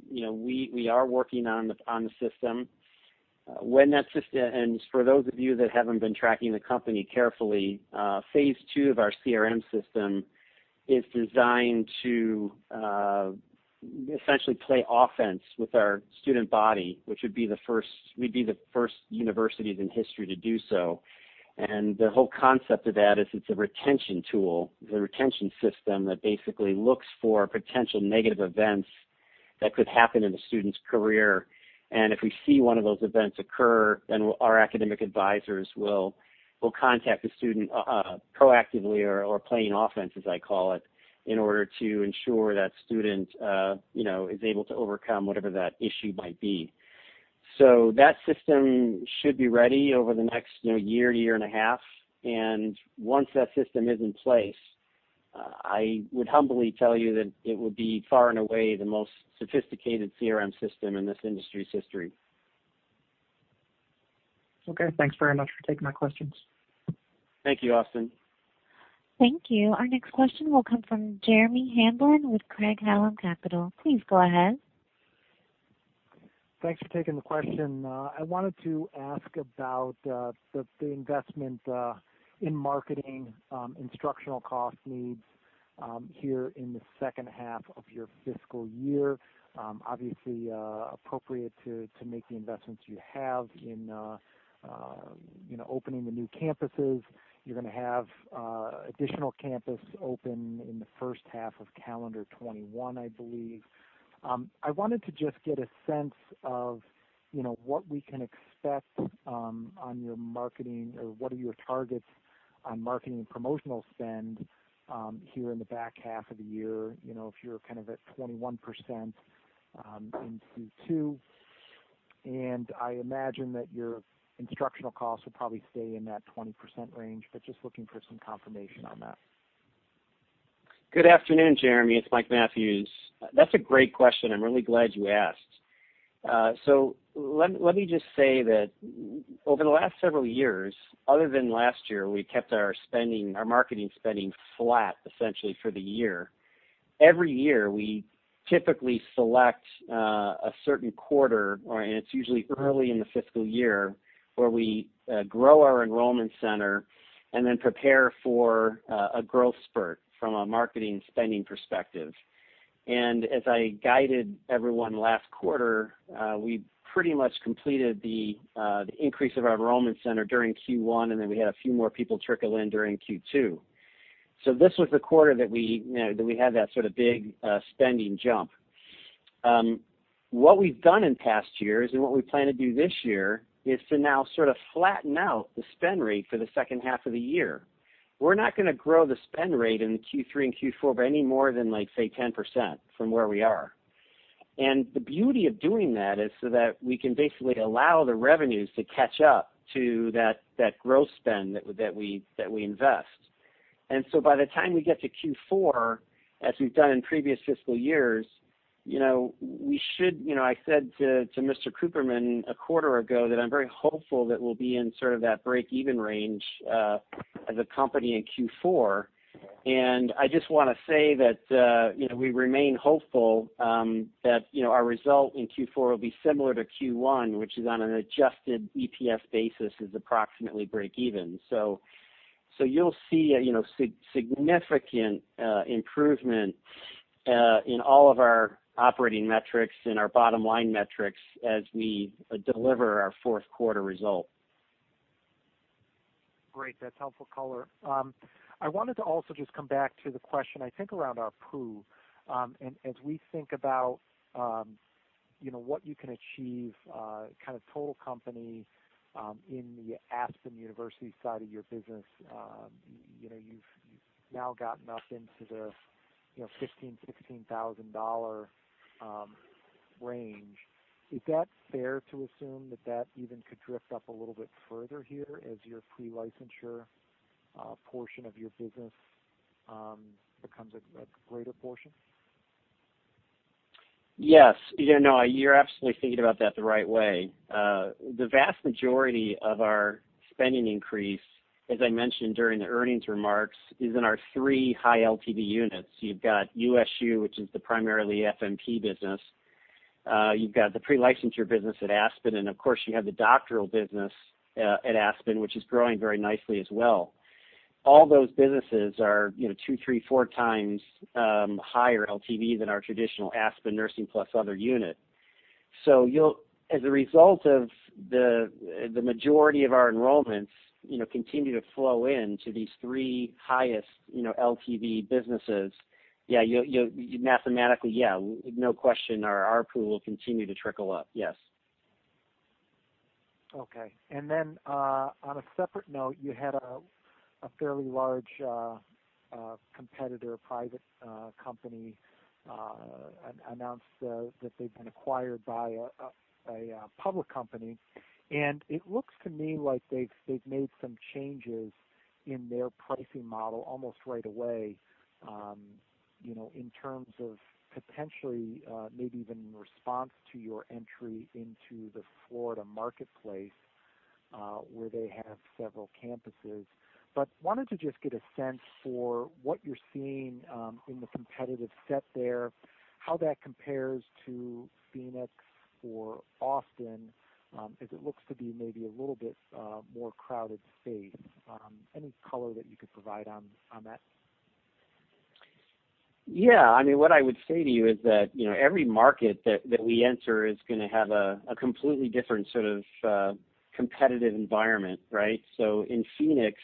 Speaker 2: We are working on the system. For those of you that haven't been tracking the company carefully, phase II of our CRM system is designed to essentially play offense with our student body. We'd be the first universities in history to do so. The whole concept of that is it's a retention tool. It's a retention system that basically looks for potential negative events that could happen in a student's career. If we see one of those events occur, our academic advisors will contact the student proactively or playing offense, as I call it, in order to ensure that student is able to overcome whatever that issue might be. That system should be ready over the next year and a half. Once that system is in place, I would humbly tell you that it would be far and away the most sophisticated CRM system in this industry's history.
Speaker 7: Okay, thanks very much for taking my questions.
Speaker 2: Thank you, Austin.
Speaker 1: Thank you. Our next question will come from Jeremy Hamblin with Craig-Hallum Capital. Please go ahead.
Speaker 8: Thanks for taking the question. I wanted to ask about the investment in marketing instructional cost needs here in the second half of your fiscal year. Obviously, appropriate to make the investments you have in opening the new campuses. You're going to have additional campus open in the first half of calendar 2021, I believe. I wanted to just get a sense of what we can expect on your marketing or what are your targets on marketing and promotional spend here in the back half of the year, if you're kind of at 21% in Q2. I imagine that your instructional costs will probably stay in that 20% range, but just looking for some confirmation on that.
Speaker 2: Good afternoon, Jeremy, it's Michael Mathews. That's a great question. I'm really glad you asked. Let me just say that over the last several years, other than last year, we kept our marketing spending flat essentially for the year. Every year, we typically select a certain quarter, and it's usually early in the fiscal year, where we grow our enrollment center and then prepare for a growth spurt from a marketing spending perspective. As I guided everyone last quarter, we pretty much completed the increase of our enrollment center during Q1, and then we had a few more people trickle in during Q2. This was the quarter that we had that sort of big spending jump. What we've done in past years and what we plan to do this year is to now sort of flatten out the spend rate for the second half of the year. We're not going to grow the spend rate in Q3 and Q4 by any more than, say, 10% from where we are. The beauty of doing that is so that we can basically allow the revenues to catch up to that growth spend that we invest. By the time we get to Q4, as we've done in previous fiscal years, I said to Mr. Cooperman a quarter ago that I'm very hopeful that we'll be in sort of that break-even range as a company in Q4. I just want to say that we remain hopeful that our result in Q4 will be similar to Q1, which is on an adjusted EPS basis, is approximately break-even. You'll see a significant improvement in all of our operating metrics and our bottom-line metrics as we deliver our fourth quarter result.
Speaker 8: Great. That's helpful color. I wanted to also just come back to the question, I think, around ARPU. As we think about what you can achieve kind of total company in the Aspen University side of your business. You've now gotten up into the $15,000, $16,000 range. Is that fair to assume that even could drift up a little bit further here as your pre-licensure portion of your business becomes a greater portion?
Speaker 2: Yes. You're absolutely thinking about that the right way. The vast majority of our spending increase, as I mentioned during the earnings remarks, is in our three high LTV units. You've got USU, which is the primarily FNP business. You've got the pre-licensure business at Aspen, and of course, you have the doctoral business at Aspen, which is growing very nicely as well. All those businesses are two, three, four times higher LTV than our traditional Aspen Nursing plus other unit. As a result of the majority of our enrollments continue to flow into these three highest LTV businesses, mathematically, no question, our ARPU will continue to trickle up. Yes.
Speaker 8: Okay. On a separate note, you had a fairly large competitor, private company, announce that they've been acquired by a public company. It looks to me like they've made some changes in their pricing model almost right away, in terms of potentially maybe even in response to your entry into the Florida marketplace, where they have several campuses. Wanted to just get a sense for what you're seeing in the competitive set there, how that compares to Phoenix or Austin, as it looks to be maybe a little bit more crowded space. Any color that you could provide on that?
Speaker 2: Yeah. What I would say to you is that every market that we enter is going to have a completely different sort of competitive environment, right? In Phoenix,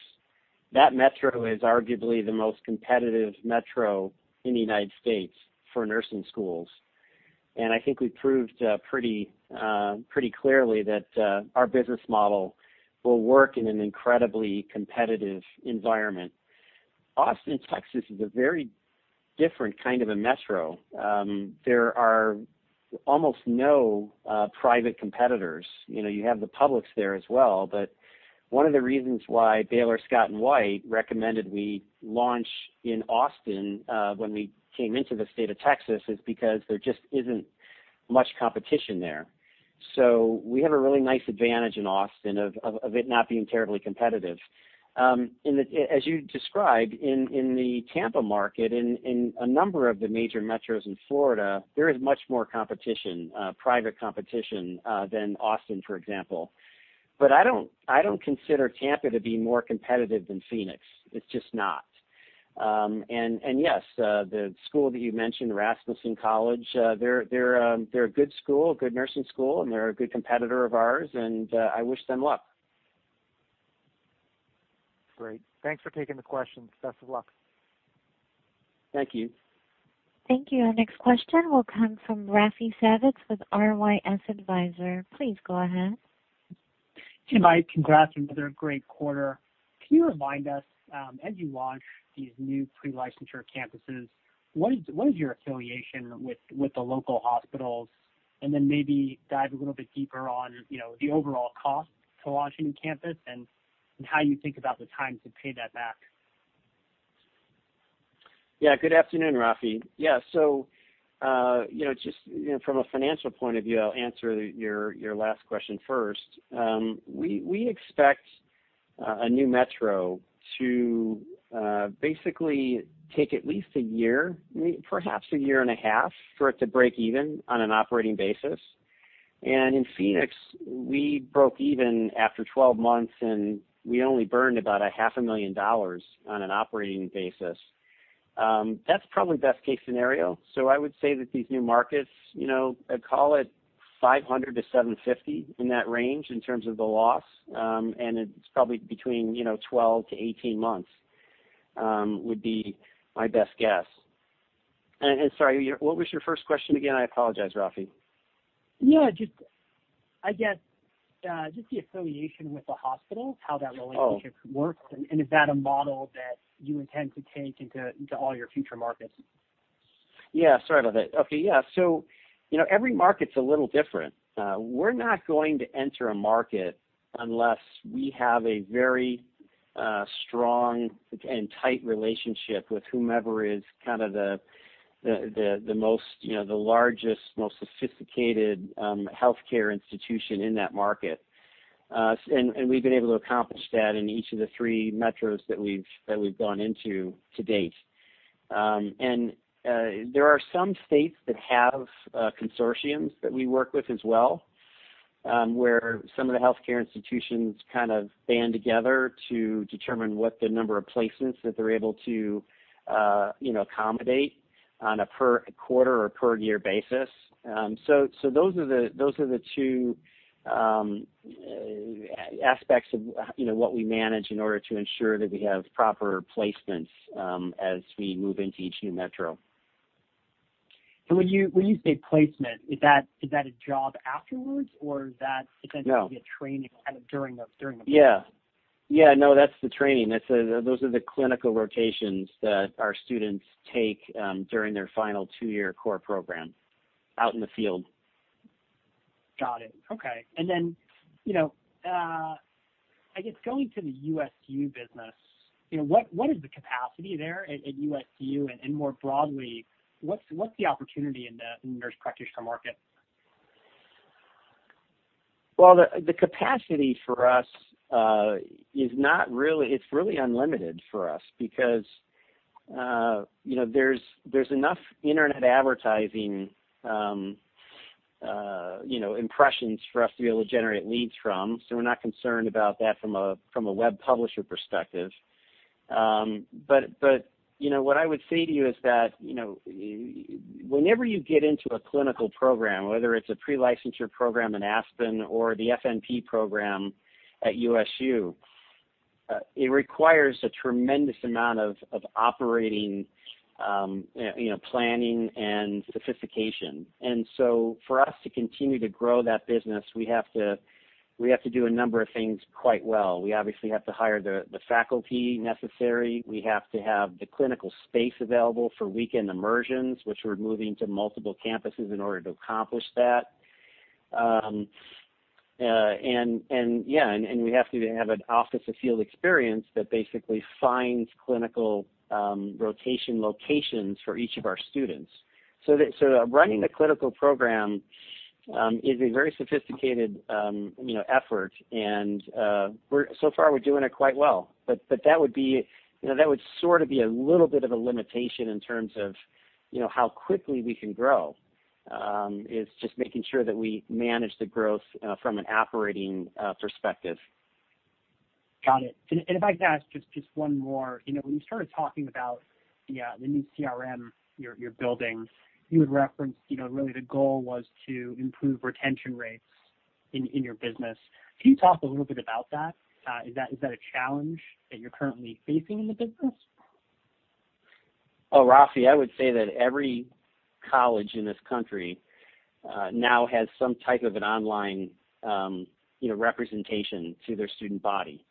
Speaker 2: that metro is arguably the most competitive metro in the United States for nursing schools. I think we've proved pretty clearly that our business model will work in an incredibly competitive environment. Austin, Texas, is a very different kind of a metro. There are almost no private competitors. You have the publics there as well, but one of the reasons why Baylor Scott & White recommended we launch in Austin when we came into the state of Texas is because there just isn't much competition there. We have a really nice advantage in Austin of it not being terribly competitive. As you described, in the Tampa market, in a number of the major metros in Florida, there is much more competition, private competition, than Austin, for example. I don't consider Tampa to be more competitive than Phoenix. It's just not. Yes, the school that you mentioned, Rasmussen University, they're a good school, a good nursing school, and they're a good competitor of ours, and I wish them luck.
Speaker 8: Great. Thanks for taking the question. Success and luck.
Speaker 2: Thank you.
Speaker 1: Thank you. Our next question will come from Raphi Savitz with RYS Advisors. Please go ahead.
Speaker 9: Hey, Mike, congrats on another great quarter. Can you remind us, as you launch these new pre-licensure campuses, what is your affiliation with the local hospitals? Maybe dive a little bit deeper on the overall cost to launch a new campus and how you think about the time to pay that back.
Speaker 2: Good afternoon, Raphi. Just from a financial point of view, I'll answer your last question first. We expect a new metro to basically take at least a year, perhaps a year and a half, for it to break even on an operating basis. In Phoenix, we broke even after 12 months, and we only burned about a half a million dollars on an operating basis. That's probably best case scenario. I would say that these new markets, I'd call it $500-$750, in that range, in terms of the loss. It's probably between 12-18 months, would be my best guess. Sorry, what was your first question again? I apologize, Raphi.
Speaker 9: Yeah, just the affiliation with the hospital, how that relationship works, and is that a model that you intend to take into all your future markets?
Speaker 2: Yeah, sorry about that. Okay. Yeah. Every market's a little different. We're not going to enter a market unless we have a very strong and tight relationship with whomever is kind of the largest, most sophisticated healthcare institution in that market. We've been able to accomplish that in each of the three metros that we've gone into to date. There are some states that have consortiums that we work with as well, where some of the healthcare institutions kind of band together to determine what the number of placements that they're able to accommodate on a per quarter or per year basis. Those are the two aspects of what we manage in order to ensure that we have proper placements as we move into each new metro.
Speaker 9: When you say placement, is that a job afterwards?
Speaker 2: No
Speaker 9: Or a training kind of during the placement?
Speaker 2: Yeah. No, that's the training. Those are the clinical rotations that our students take during their final two-year core program out in the field.
Speaker 9: Got it. Okay. Then, I guess going to the USU business, what is the capacity there at USU? More broadly, what's the opportunity in the nurse practitioner market?
Speaker 2: Well, the capacity for us, it's really unlimited for us because there's enough internet advertising impressions for us to be able to generate leads from. We're not concerned about that from a web publisher perspective. What I would say to you is that, whenever you get into a clinical program, whether it's a pre-licensure program in Aspen or the FNP program at USU, it requires a tremendous amount of operating, planning, and sophistication. For us to continue to grow that business, we have to do a number of things quite well. We obviously have to hire the faculty necessary. We have to have the clinical space available for weekend immersions, which we're moving to multiple campuses in order to accomplish that. Yeah, and we have to have an office of field experience that basically finds clinical rotation locations for each of our students. Running the clinical program is a very sophisticated effort and so far we're doing it quite well. That would sort of be a little bit of a limitation in terms of how quickly we can grow. It's just making sure that we manage the growth from an operating perspective.
Speaker 9: Got it. If I could ask just one more. When you started talking about the new CRM you're building, you had referenced really the goal was to improve retention rates in your business. Can you talk a little bit about that? Is that a challenge that you're currently facing in the business?
Speaker 2: Raphi, I would say that every college in this country now has some type of an online representation to their student body.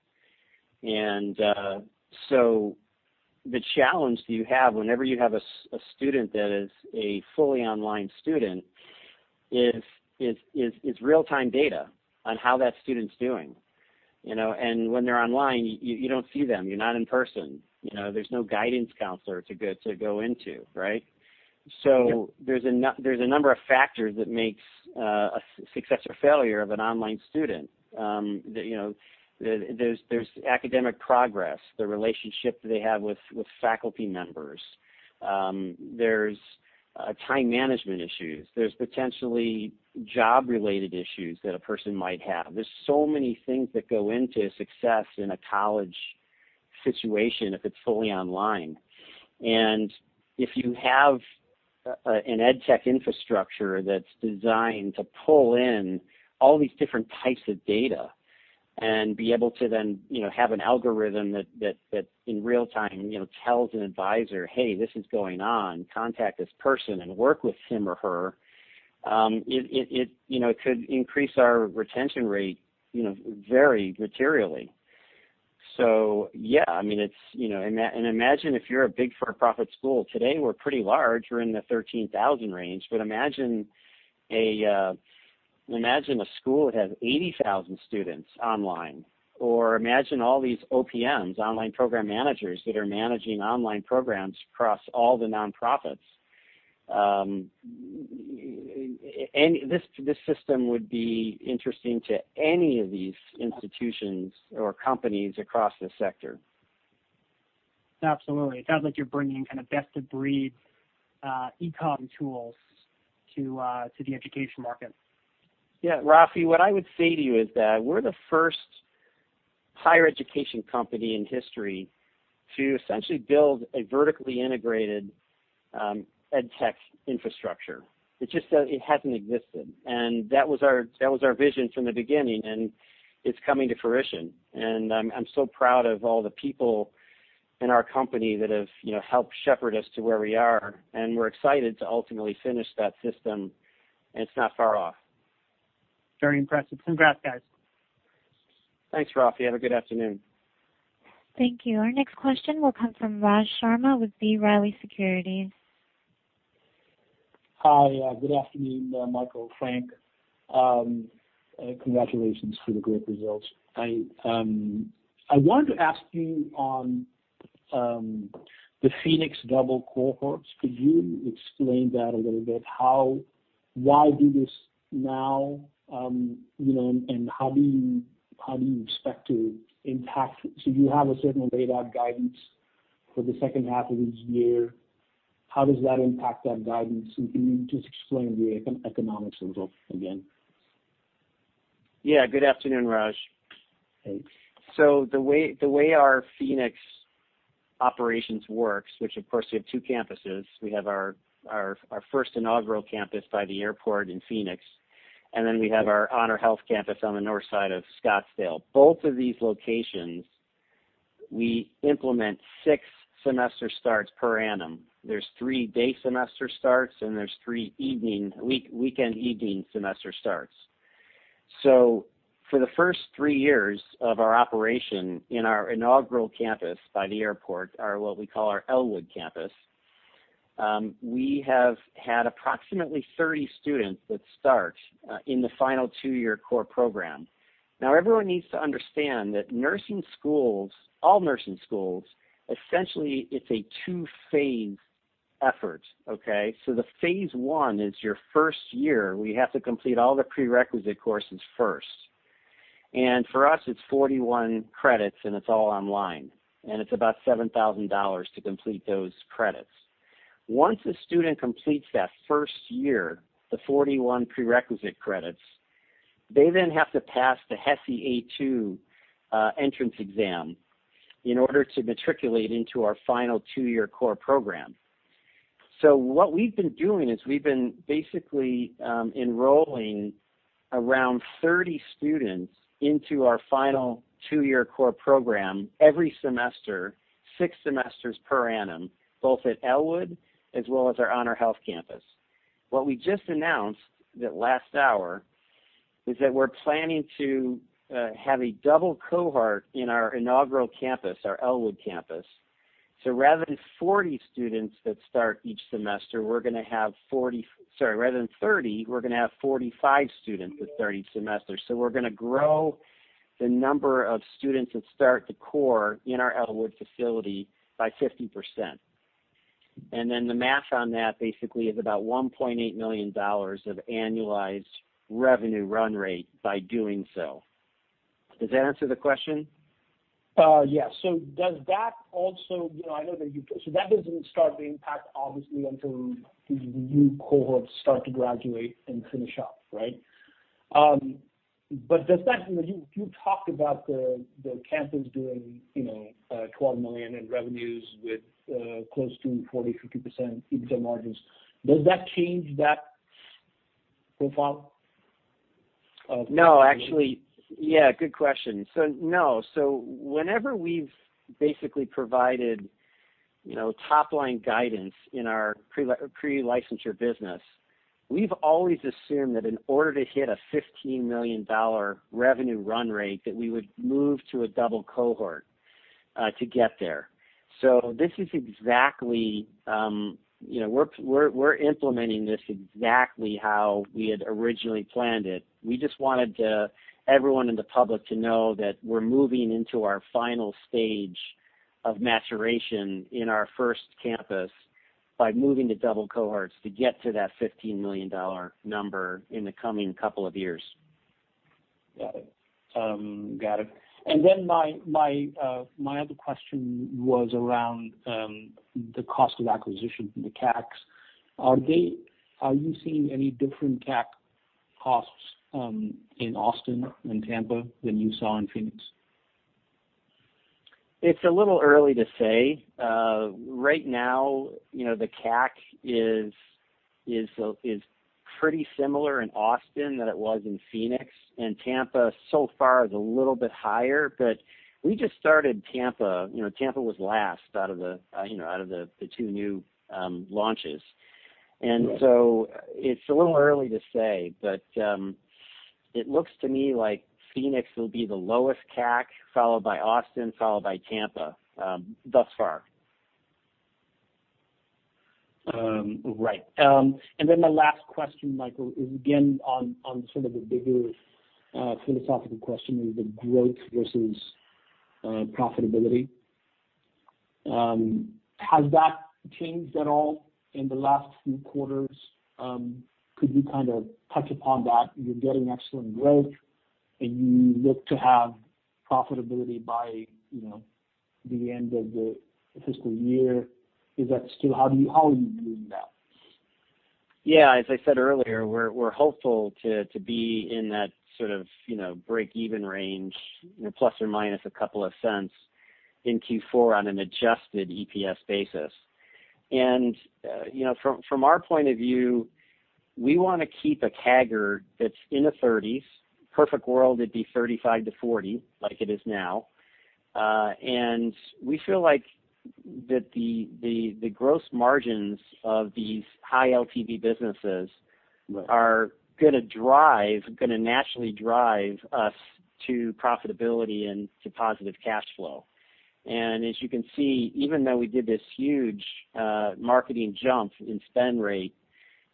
Speaker 2: The challenge that you have whenever you have a student that is a fully online student is real-time data on how that student's doing. When they're online, you don't see them, you're not in person. There's no guidance counselor to go into, right?
Speaker 9: Yep.
Speaker 2: There's a number of factors that makes a success or failure of an online student. There's academic progress, the relationship they have with faculty members. There's time management issues. There's potentially job-related issues that a person might have. There's so many things that go into success in a college situation if it's fully online. If you have an edtech infrastructure that's designed to pull in all these different types of data and be able to then have an algorithm that in real time tells an advisor, "Hey, this is going on. Contact this person and work with him or her." It could increase our retention rate very materially. Imagine if you're a big for-profit school. Today, we're pretty large. We're in the 13,000 range. Imagine a school that has 80,000 students online, or imagine all these OPMs, Online Program Managers, that are managing online programs across all the nonprofits. This system would be interesting to any of these institutions or companies across this sector.
Speaker 9: Absolutely. It sounds like you're bringing kind of best-of-breed e-com tools to the education market.
Speaker 2: Raphi, what I would say to you is that we're the first higher education company in history to essentially build a vertically integrated edtech infrastructure. It hasn't existed. That was our vision from the beginning, and it's coming to fruition. I'm so proud of all the people in our company that have helped shepherd us to where we are, and we're excited to ultimately finish that system, and it's not far off.
Speaker 9: Very impressive. Congrats, guys.
Speaker 2: Thanks, Raphi. Have a good afternoon.
Speaker 1: Thank you. Our next question will come from Raj Sharma with B. Riley Securities.
Speaker 10: Hi. Good afternoon, Michael, Frank. Congratulations for the great results. I wanted to ask you on the Phoenix double cohorts. Could you explain that a little bit? Why do this now, and how do you expect to impact it? You have a certain laid-out guidance for the second half of this year. How does that impact that guidance? Can you just explain the economics result again?
Speaker 2: Yeah. Good afternoon, Raj.
Speaker 10: Thanks.
Speaker 2: The way our Phoenix operations works, which, of course, we have two campuses. We have our first inaugural campus by the airport in Phoenix, and then we have our HonorHealth campus on the north side of Scottsdale. Both of these locations, we implement six semester starts per annum. There's three day semester starts, and there's three weekend evening semester starts. For the first three years of our operation in our inaugural campus by the airport, our what we call our Elwood campus, we have had approximately 30 students that start in the final two-year core program. Now, everyone needs to understand that nursing schools, all nursing schools, essentially it's a two-phase effort. The phase one is your first year. We have to complete all the prerequisite courses first. For us, it's 41 credits, and it's all online, and it's about $7,000 to complete those credits. Once a student completes that 1st year, the 41 prerequisite credits, they then have to pass the HESI A2 entrance exam in order to matriculate into our final two-year core program. What we've been doing is we've been basically enrolling around 30 students into our final two-year core program every semester, six semesters per annum, both at Elwood as well as our HonorHealth campus. What we just announced that last hour is that we're planning to have a double cohort in our inaugural campus, our Elwood campus. Rather than 40 students that start each semester, we're going to have rather than 30, we're going to have 45 students with 30 semesters. We're going to grow the number of students that start the core in our Elwood facility by 50%. The math on that basically is about $1.8 million of annualized revenue run rate by doing so. Does that answer the question?
Speaker 10: Yes. That doesn't start the impact, obviously, until the new cohorts start to graduate and finish up, right? You talked about the campus doing $12 million in revenues with close to 40%-50% EBITDA margins. Does that change that profile of-
Speaker 2: No, actually. Yeah, good question. No. Whenever we've basically provided top-line guidance in our pre-licensure business, we've always assumed that in order to hit a $15 million revenue run rate, that we would move to a double cohort to get there. We're implementing this exactly how we had originally planned it. We just wanted everyone in the public to know that we're moving into our final stage of maturation in our first campus by moving to double cohorts to get to that $15 million number in the coming couple of years.
Speaker 10: Got it. My other question was around the cost of acquisition, the CACs. Are you seeing any different CAC costs in Austin and Tampa than you saw in Phoenix?
Speaker 2: It's a little early to say. Right now, the CAC is pretty similar in Austin than it was in Phoenix. Tampa so far is a little bit higher, but we just started Tampa. Tampa was last out of the two new launches. It's a little early to say, but it looks to me like Phoenix will be the lowest CAC, followed by Austin, followed by Tampa, thus far.
Speaker 10: Right. Then my last question, Michael, is again on sort of a bigger philosophical question of the growth versus profitability. Has that changed at all in the last few quarters? Could you kind of touch upon that? You're getting excellent growth, you look to have profitability by the end of the fiscal year. How are you doing that?
Speaker 2: Yeah. As I said earlier, we're hopeful to be in that sort of breakeven range, ±$0.02 in Q4 on an adjusted EPS basis. From our point of view, we want to keep a CAGR that's in the 30s. Perfect world, it'd be 35-40 like it is now. We feel like that the gross margins of these high LTV businesses are going to naturally drive us to profitability and to positive cash flow. As you can see, even though we did this huge marketing jump in spend rate,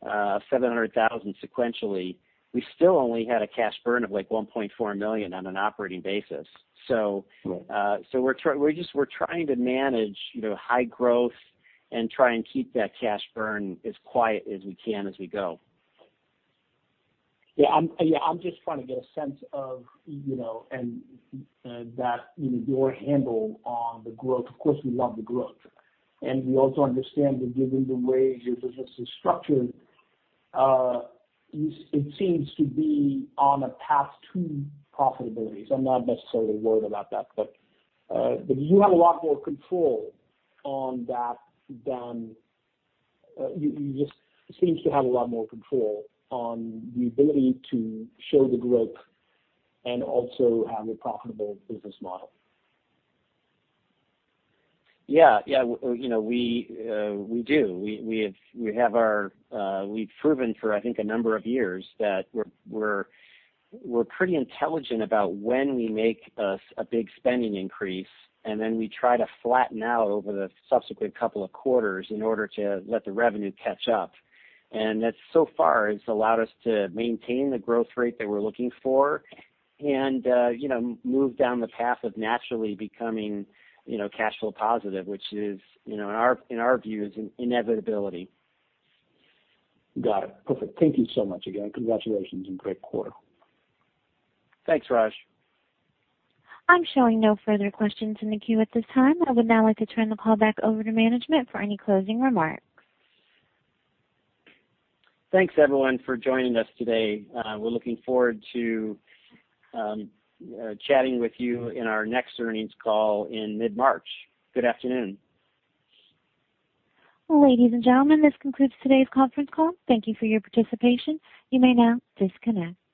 Speaker 2: $700,000 sequentially, we still only had a cash burn of like $1.4 million on an operating basis. We're trying to manage high growth and try and keep that cash burn as quiet as we can as we go.
Speaker 10: Yeah. I'm just trying to get a sense of your handle on the growth. Of course, we love the growth. We also understand that given the way your business is structured, it seems to be on a path to profitability. I'm not necessarily worried about that. You just seems to have a lot more control on the ability to show the growth and also have a profitable business model.
Speaker 2: Yeah. We do. We've proven for, I think, a number of years that we're pretty intelligent about when we make a big spending increase, and then we try to flatten out over the subsequent couple of quarters in order to let the revenue catch up. That so far has allowed us to maintain the growth rate that we're looking for and move down the path of naturally becoming cash flow positive, which is, in our view, is an inevitability.
Speaker 10: Got it. Perfect. Thank you so much again. Congratulations and great quarter.
Speaker 2: Thanks, Raj.
Speaker 1: I'm showing no further questions in the queue at this time. I would now like to turn the call back over to management for any closing remarks.
Speaker 2: Thanks, everyone, for joining us today. We're looking forward to chatting with you in our next earnings call in mid-March. Good afternoon.
Speaker 1: Ladies and gentlemen, this concludes today's conference call. Thank you for your participation. You may now disconnect.